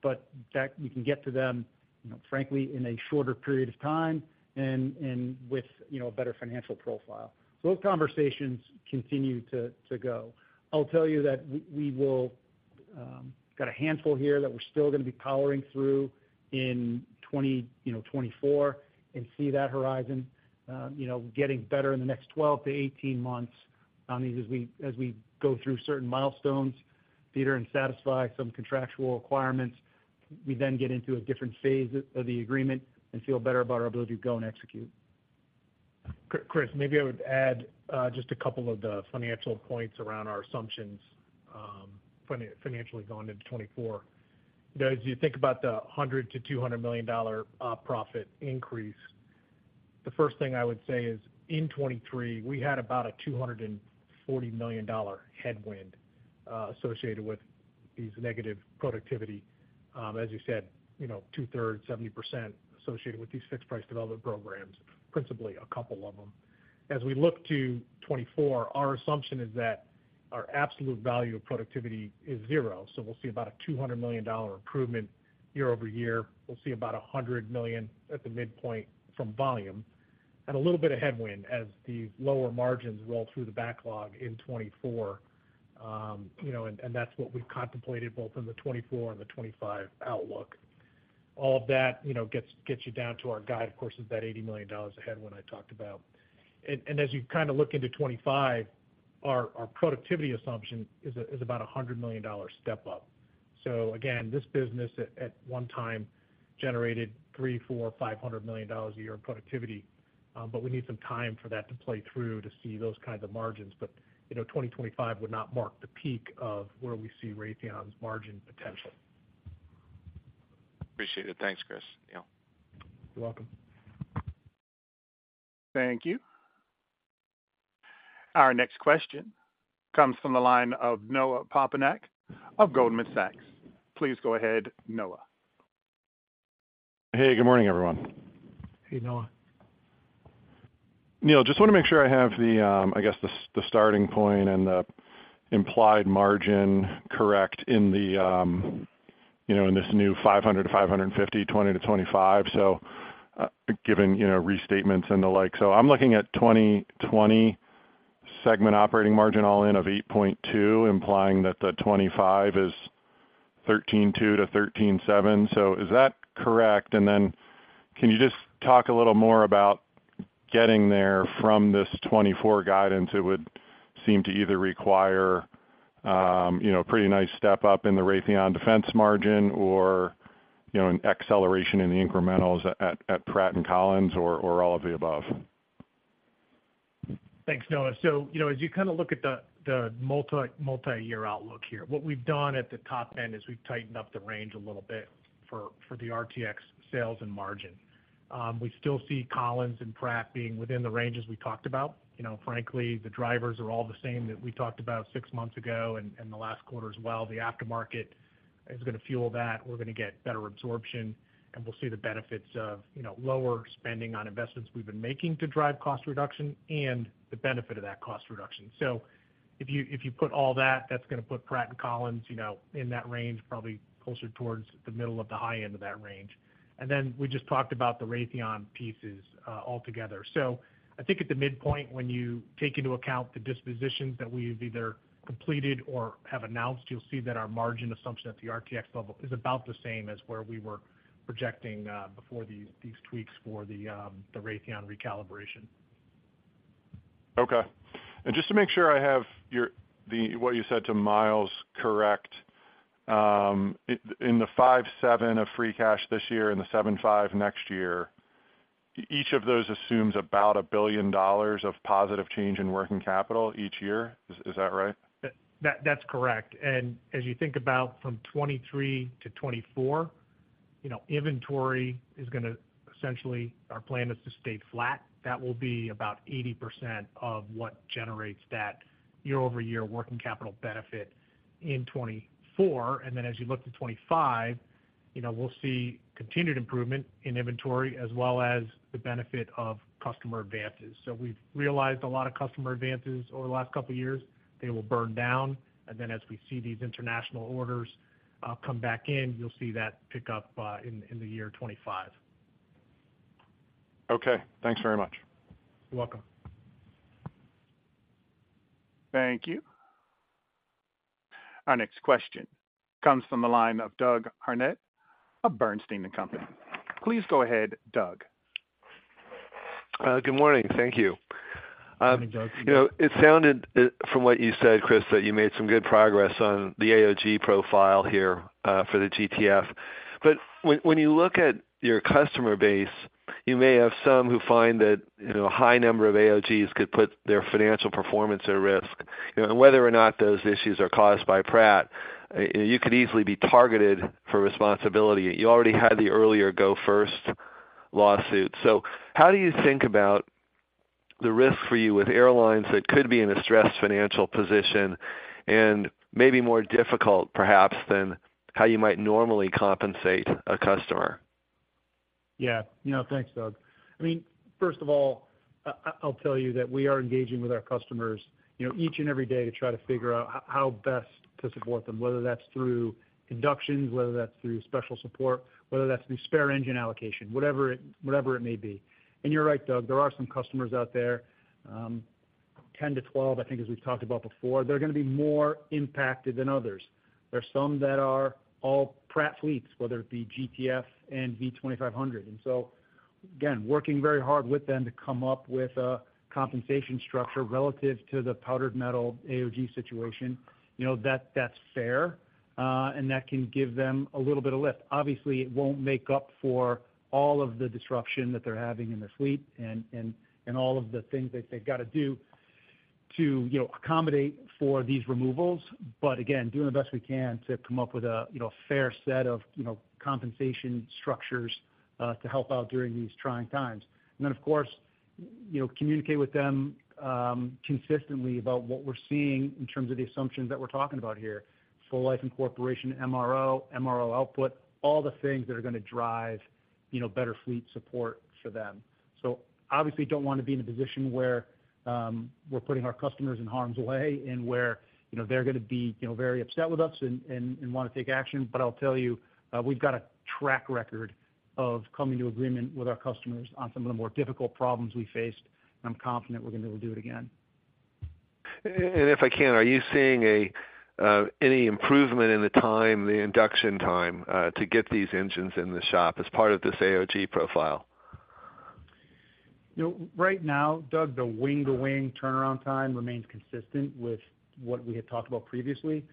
but that we can get to them, you know, frankly, in a shorter period of time and with, you know, a better financial profile. So those conversations continue to go. I'll tell you that we will got a handful here that we're still gonna be powering through in 2024, you know, and see that horizon getting better in the next 12 to 18 months on these as we go through certain milestones, Peter, and satisfy some contractual requirements, we then get into a different phase of the agreement and feel better about our ability to go and execute. Chris, maybe I would add just a couple of the financial points around our assumptions, financially going into 2024. You know, as you think about the $100 million-$200 million profit increase, the first thing I would say is, in 2023, we had about a $240 million headwind associated with these negative productivity. As you said, you know, two-thirds, 70% associated with these fixed price development programs, principally a couple of them. As we look to 2024, our assumption is that our absolute value of productivity is zero, so we'll see about a $200 million improvement year-over-year. We'll see about a $100 million at the midpoint from volume, and a little bit of headwind as these lower margins roll through the backlog in 2024. You know, that's what we've contemplated both in the 2024 and the 2025 outlook. All of that, you know, gets you down to our guide, of course, is that $80 million ahead, what I talked about. And as you kind of look into 2025, our productivity assumption is about a $100 million step-up. So again, this business at one time generated $300 million, $400 million, $500 million a year in productivity, but we need some time for that to play through to see those kinds of margins. But, you know, 2025 would not mark the peak of where we see Raytheon's margin potential. Appreciate it. Thanks, Chris. Yeah. You're welcome. Thank you. Our next question comes from the line of Noah Poponak of Goldman Sachs. Please go ahead, Noah. Hey, good morning, everyone. Hey, Noah. Neil, just wanna make sure I have the, I guess, the starting point and the implied margin correct in the, you know, in this new 500-550, 20-25, so, given, you know, restatements and the like. So I'm looking at 2020 segment operating margin all in of 8.2%, implying that the 2025 is 13.2%-13.7%. So is that correct? And then can you just talk a little more about getting there from this 2024 guidance? It would seem to either require, you know, a pretty nice step up in the Raytheon defense margin or, you know, an acceleration in the incrementals at, at Pratt & Collins, or, or all of the above. Thanks, Noah. So, you know, as you kind of look at the multi-year outlook here, what we've done at the top end is we've tightened up the range a little bit for the RTX sales and margin. We still see Collins and Pratt being within the ranges we talked about. You know, frankly, the drivers are all the same that we talked about six months ago and the last quarter as well. The aftermarket is gonna fuel that. We're gonna get better absorption, and we'll see the benefits of, you know, lower spending on investments we've been making to drive cost reduction and the benefit of that cost reduction. So, if you put all that, that's gonna put Pratt & Collins, you know, in that range, probably closer towards the middle of the high end of that range. Then we just talked about the Raytheon pieces, altogether. I think at the midpoint, when you take into account the dispositions that we've either completed or have announced, you'll see that our margin assumption at the RTX level is about the same as where we were projecting, before these, these tweaks for the, the Raytheon recalibration. Okay. Just to make sure I have what you said to Miles correct, in the $5.7 billion of free cash this year and the $7.5 billion next year, each of those assumes about $1 billion of positive change in working capital each year. Is that right? That, that's correct. And as you think about from 2023 to 2024, you know, inventory is gonna... Essentially, our plan is to stay flat. That will be about 80% of what generates that year-over-year working capital benefit in 2024. And then as you look to 2025, you know, we'll see continued improvement in inventory as well as the benefit of customer advances. So we've realized a lot of customer advances over the last couple of years. They will burn down, and then as we see these international orders come back in, you'll see that pick up in the year 2025. Okay, thanks very much. You're welcome. Thank you. Our next question comes from the line of Doug Harned of Bernstein & Company. Please go ahead, Doug. Good morning. Thank you. Good morning, Doug. You know, it sounded from what you said, Chris, that you made some good progress on the AOG profile here for the GTF. But when you look at your customer base, you may have some who find that, you know, a high number of AOGs could put their financial performance at risk. You know, and whether or not those issues are caused by Pratt, you could easily be targeted for responsibility. You already had the earlier Go First lawsuit. So how do you think about the risk for you with airlines that could be in a stressed financial position and maybe more difficult, perhaps, than how you might normally compensate a customer? Yeah. You know, thanks, Doug. I mean, first of all, I'll tell you that we are engaging with our customers, you know, each and every day to try to figure out how best to support them, whether that's through inductions, whether that's through special support, whether that's through spare engine allocation, whatever it may be. And you're right, Doug, there are some customers out there, 10-12, I think, as we've talked about before, they're gonna be more impacted than others. There are some that are all Pratt fleets, whether it be GTF and V2500. And so again, working very hard with them to come up with a compensation structure relative to the powdered metal AOG situation. You know, that, that's fair, and that can give them a little bit of lift. Obviously, it won't make up for all of the disruption that they're having in their fleet and all of the things that they've got to do to, you know, accommodate for these removals. But again, doing the best we can to come up with a, you know, fair set of, you know, compensation structures to help out during these trying times. And then, of course, you know, communicate with them consistently about what we're seeing in terms of the assumptions that we're talking about here. Full life incorporation, MRO, MRO output, all the things that are gonna drive, you know, better fleet support for them. So obviously, don't want to be in a position where we're putting our customers in harm's way and where, you know, they're gonna be, you know, very upset with us and wanna take action. But I'll tell you, we've got a track record of coming to agreement with our customers on some of the more difficult problems we faced, and I'm confident we're gonna be able to do it again. And if I can, are you seeing any improvement in the time, the induction time, to get these engines in the shop as part of this AOG profile? You know, right now, Doug, the wing-to-wing turnaround time remains consistent with what we had talked about previously.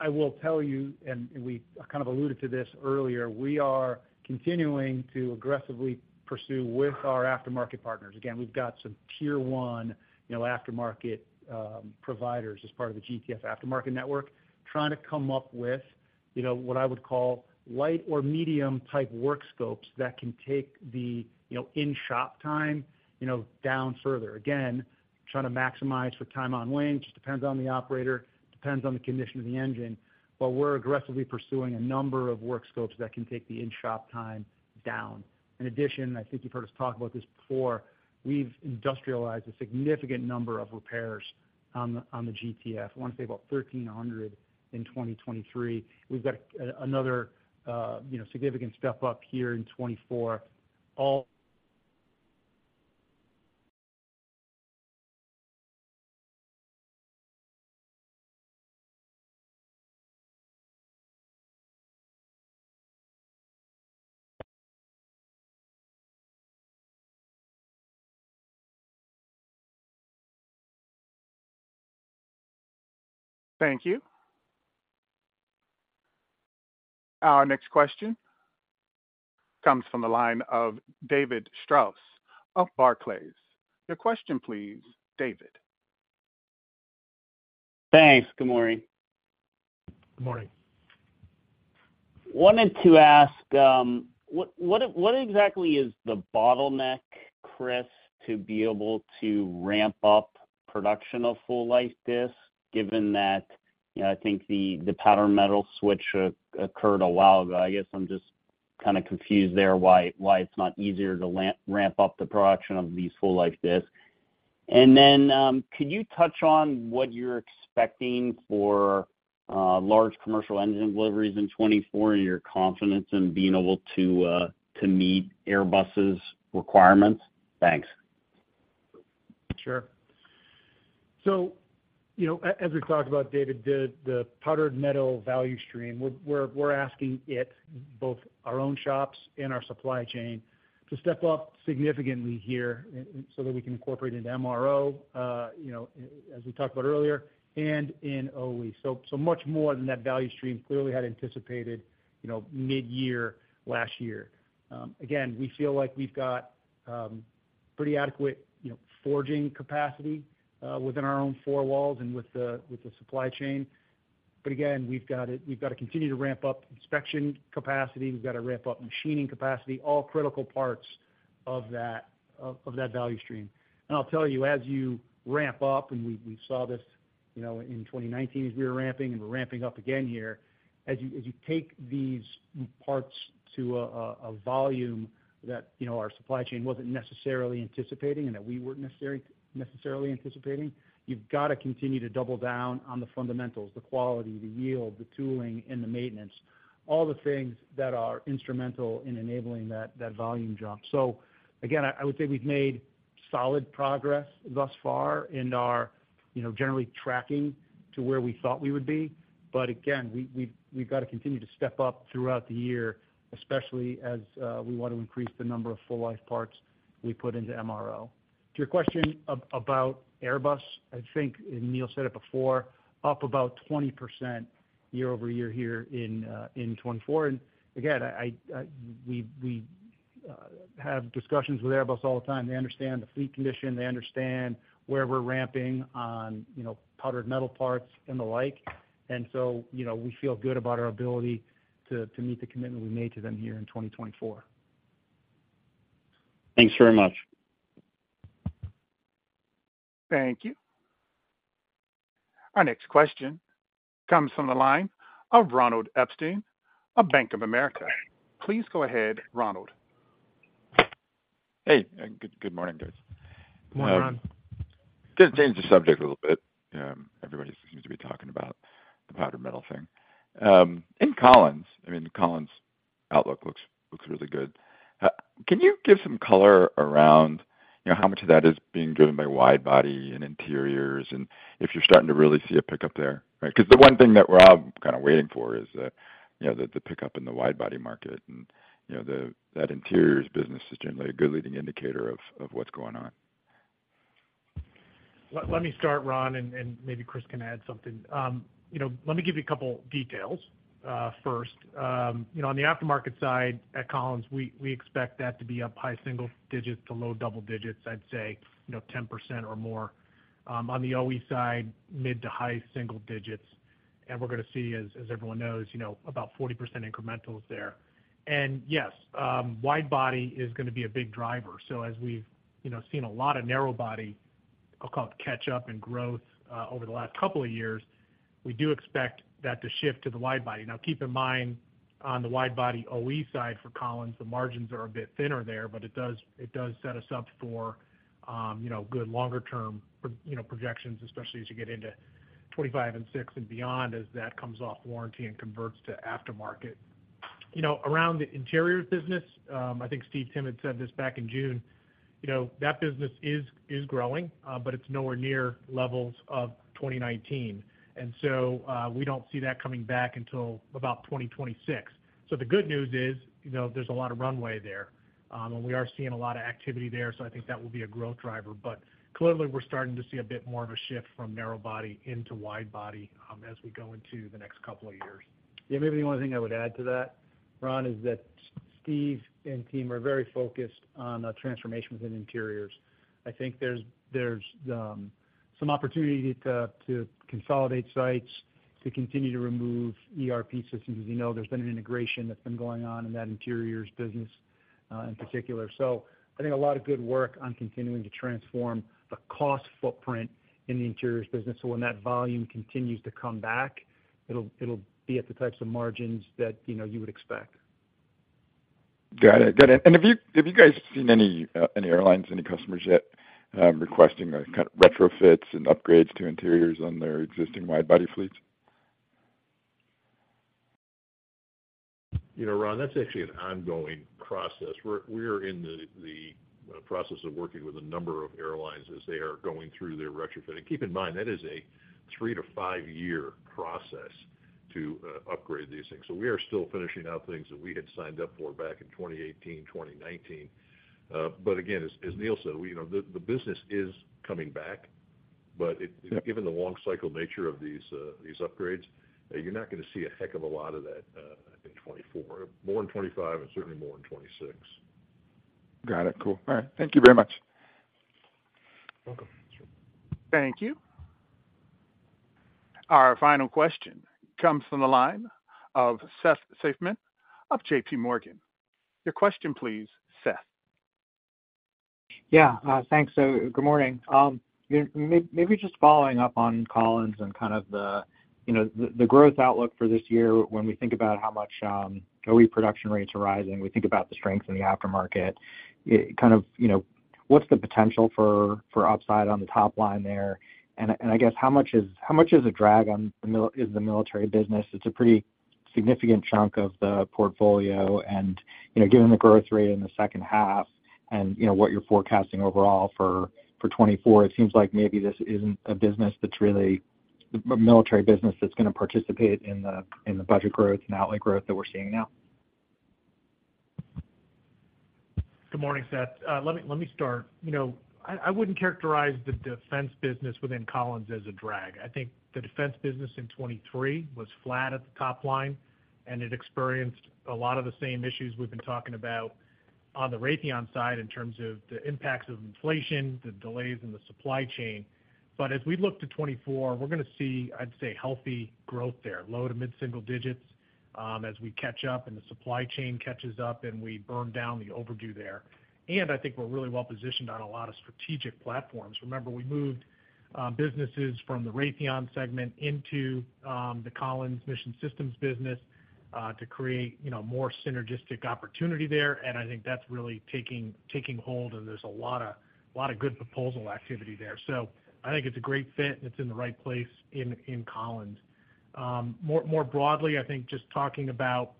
I will tell you, and we kind of alluded to this earlier, we are continuing to aggressively pursue with our aftermarket partners. Again, we've got some tier one, you know, aftermarket providers as part of the GTF aftermarket network, trying to come up with, you know, what I would call light or medium type work scopes that can take the, you know, in-shop time, you know, down further. Again, trying to maximize the time on wing, just depends on the operator, depends on the condition of the engine. But we're aggressively pursuing a number of work scopes that can take the in-shop time down. In addition, I think you've heard us talk about this before, we've industrialized a significant number of repairs on the GTF. I wanna say about 1,300 in 2023. We've got another, you know, significant step up here in 2024, all- Thank you. Our next question comes from the line of David Strauss of Barclays. Your question, please, David. Thanks. Good morning. Good morning. Wanted to ask what exactly is the bottleneck, Chris, to be able to ramp up production of full-life disks, given that, you know, I think the powder metal switch occurred a while ago? I guess I'm just kind of confused there why it's not easier to ramp up the production of these full like this. And then, could you touch on what you're expecting for large commercial engine deliveries in 2024, and your confidence in being able to meet Airbus's requirements? Thanks. Sure. So, you know, as we talked about, David, the powdered metal value stream, we're asking it, both our own shops and our supply chain, to step up significantly here so that we can incorporate into MRO, you know, as we talked about earlier, and in OE. So much more than that value stream clearly had anticipated, you know, mid-year last year. Again, we feel like we've got pretty adequate, you know, forging capacity within our own four walls and with the supply chain. But again, we've got to continue to ramp up inspection capacity, we've got to ramp up machining capacity, all critical parts of that value stream. I'll tell you, as you ramp up, and we saw this, you know, in 2019 as we were ramping, and we're ramping up again here. As you take these parts to a volume that, you know, our supply chain wasn't necessarily anticipating and that we weren't necessarily anticipating, you've got to continue to double down on the fundamentals, the quality, the yield, the tooling, and the maintenance, all the things that are instrumental in enabling that volume jump. So again, I would say we've made solid progress thus far and are, you know, generally tracking to where we thought we would be. But again, we've got to continue to step up throughout the year, especially as we want to increase the number of full life parts we put into MRO. To your question about Airbus, I think, and Neil said it before, up about 20% year-over-year here in 2024. And again, we have discussions with Airbus all the time. They understand the fleet condition, they understand where we're ramping on, you know, Powdered Metal parts and the like. And so, you know, we feel good about our ability to meet the commitment we made to them here in 2024. Thanks very much. Thank you. Our next question comes from the line of Ronald Epstein of Bank of America. Please go ahead, Ronald. Hey, good, good morning, guys. Good morning, Ron. Just change the subject a little bit. Everybody seems to be talking about the Powdered Metal thing. In Collins, I mean, Collins' outlook looks really good. Can you give some color around, you know, how much of that is being driven by wide body and interiors, and if you're starting to really see a pickup there? Right, because the one thing that we're all kind of waiting for is the, you know, the pickup in the wide body market. And, you know, that interiors business is generally a good leading indicator of what's going on. Let me start, Ron, and maybe Chris can add something. You know, let me give you a couple details, first. You know, on the aftermarket side, at Collins, we expect that to be up high single digits to low double digits, I'd say, you know, 10% or more. On the OE side, mid to high single digits, and we're gonna see, as everyone knows, you know, about 40% incrementals there. And yes, wide body is gonna be a big driver. So as we've, you know, seen a lot of narrow body, I'll call it, catch up and growth, over the last couple of years, we do expect that to shift to the wide body. Now, keep in mind, on the wide body OE side for Collins, the margins are a bit thinner there, but it does, it does set us up for, you know, good longer term, you know, projections, especially as you get into 25 and 6 and beyond, as that comes off warranty and converts to aftermarket. You know, around the interiors business, I think Steve Timm said this back in June, you know, that business is, is growing, but it's nowhere near levels of 2019, and so, we don't see that coming back until about 2026. So the good news is, you know, there's a lot of runway there, and we are seeing a lot of activity there, so I think that will be a growth driver. But clearly, we're starting to see a bit more of a shift from narrow body into wide body as we go into the next couple of years. Yeah, maybe the only thing I would add to that, Ron, is that Steve and team are very focused on a transformation within interiors. I think there's some opportunity to consolidate sites, to continue to remove ERP systems. As you know, there's been an integration that's been going on in that interiors business in particular. So I think a lot of good work on continuing to transform the cost footprint in the interiors business, so when that volume continues to come back, it'll be at the types of margins that you know you would expect. Got it. Got it. And have you guys seen any airlines, any customers yet requesting a kind of retrofits and upgrades to interiors on their existing wide-body fleets? You know, Ron, that's actually an ongoing process. We're in the process of working with a number of airlines as they are going through their retrofitting. Keep in mind, that is a 3-5-year process to upgrade these things. So we are still finishing out things that we had signed up for back in 2018, 2019. But again, as Neil said, we know the business is coming back, but given the long cycle nature of these upgrades, you're not gonna see a heck of a lot of that in 2024. More in 2025 and certainly more in 2026. Got it. Cool. All right. Thank you very much. Welcome. Thank you. Our final question comes from the line of Seth Seifman of JPMorgan. Your question, please, Seth? Yeah, thanks. So good morning. Maybe just following up on Collins and kind of the, you know, the growth outlook for this year, when we think about how much OE production rates are rising, we think about the strength in the aftermarket. It kind of, you know, what's the potential for upside on the top line there? And I guess, how much is a drag on the military business? It's a pretty significant chunk of the portfolio and, you know, given the growth rate in the second half and, you know, what you're forecasting overall for 2024, it seems like maybe this isn't a business that's really, a military business that's gonna participate in the budget growth and outlet growth that we're seeing now. Good morning, Seth. Let me, let me start. You know, I, I wouldn't characterize the defense business within Collins as a drag. I think the defense business in 2023 was flat at the top line, and it experienced a lot of the same issues we've been talking about on the Raytheon side in terms of the impacts of inflation, the delays in the supply chain. But as we look to 2024, we're gonna see, I'd say, healthy growth there, low- to mid-single digits, as we catch up and the supply chain catches up and we burn down the overdue there. And I think we're really well positioned on a lot of strategic platforms. Remember, we moved businesses from the Raytheon segment into the Collins Mission Systems business to create, you know, more synergistic opportunity there, and I think that's really taking hold, and there's a lot of good proposal activity there. So I think it's a great fit, and it's in the right place in Collins. More broadly, I think just talking about,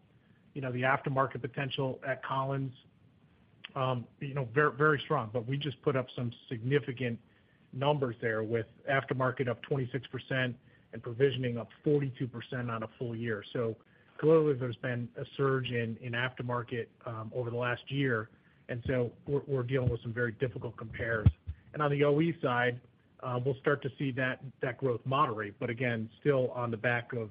you know, the aftermarket potential at Collins, you know, very, very strong. But we just put up some significant numbers there, with aftermarket up 26% and provisioning up 42% on a full year. So clearly, there's been a surge in aftermarket over the last year, and so we're dealing with some very difficult compares. On the OE side, we'll start to see that growth moderate, but again, still on the back of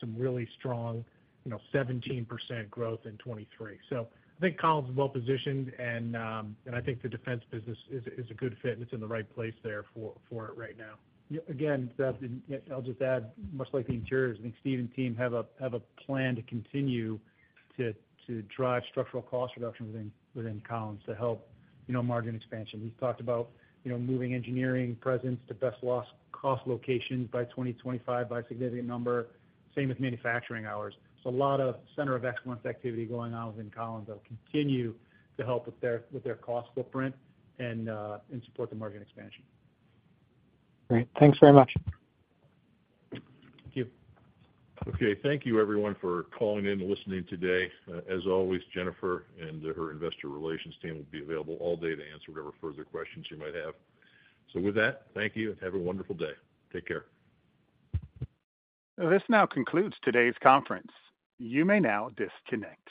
some really strong, you know, 17% growth in 2023. So I think Collins is well positioned, and I think the defense business is a good fit, and it's in the right place there for it right now. Yeah, again, Seth, and yeah, I'll just add, much like the interiors, I think Steve and team have a plan to continue to drive structural cost reductions within Collins to help, you know, margin expansion. We've talked about, you know, moving engineering presence to best low-cost locations by 2025 by a significant number, same with manufacturing hours. So a lot of center of excellence activity going on within Collins that will continue to help with their cost footprint and support the margin expansion. Great. Thanks very much. Thank you. Okay, thank you, everyone, for calling in and listening today. As always, Jennifer and her Investor Relations Team will be available all day to answer whatever further questions you might have. So with that, thank you, and have a wonderful day. Take care. This now concludes today's conference. You may now disconnect.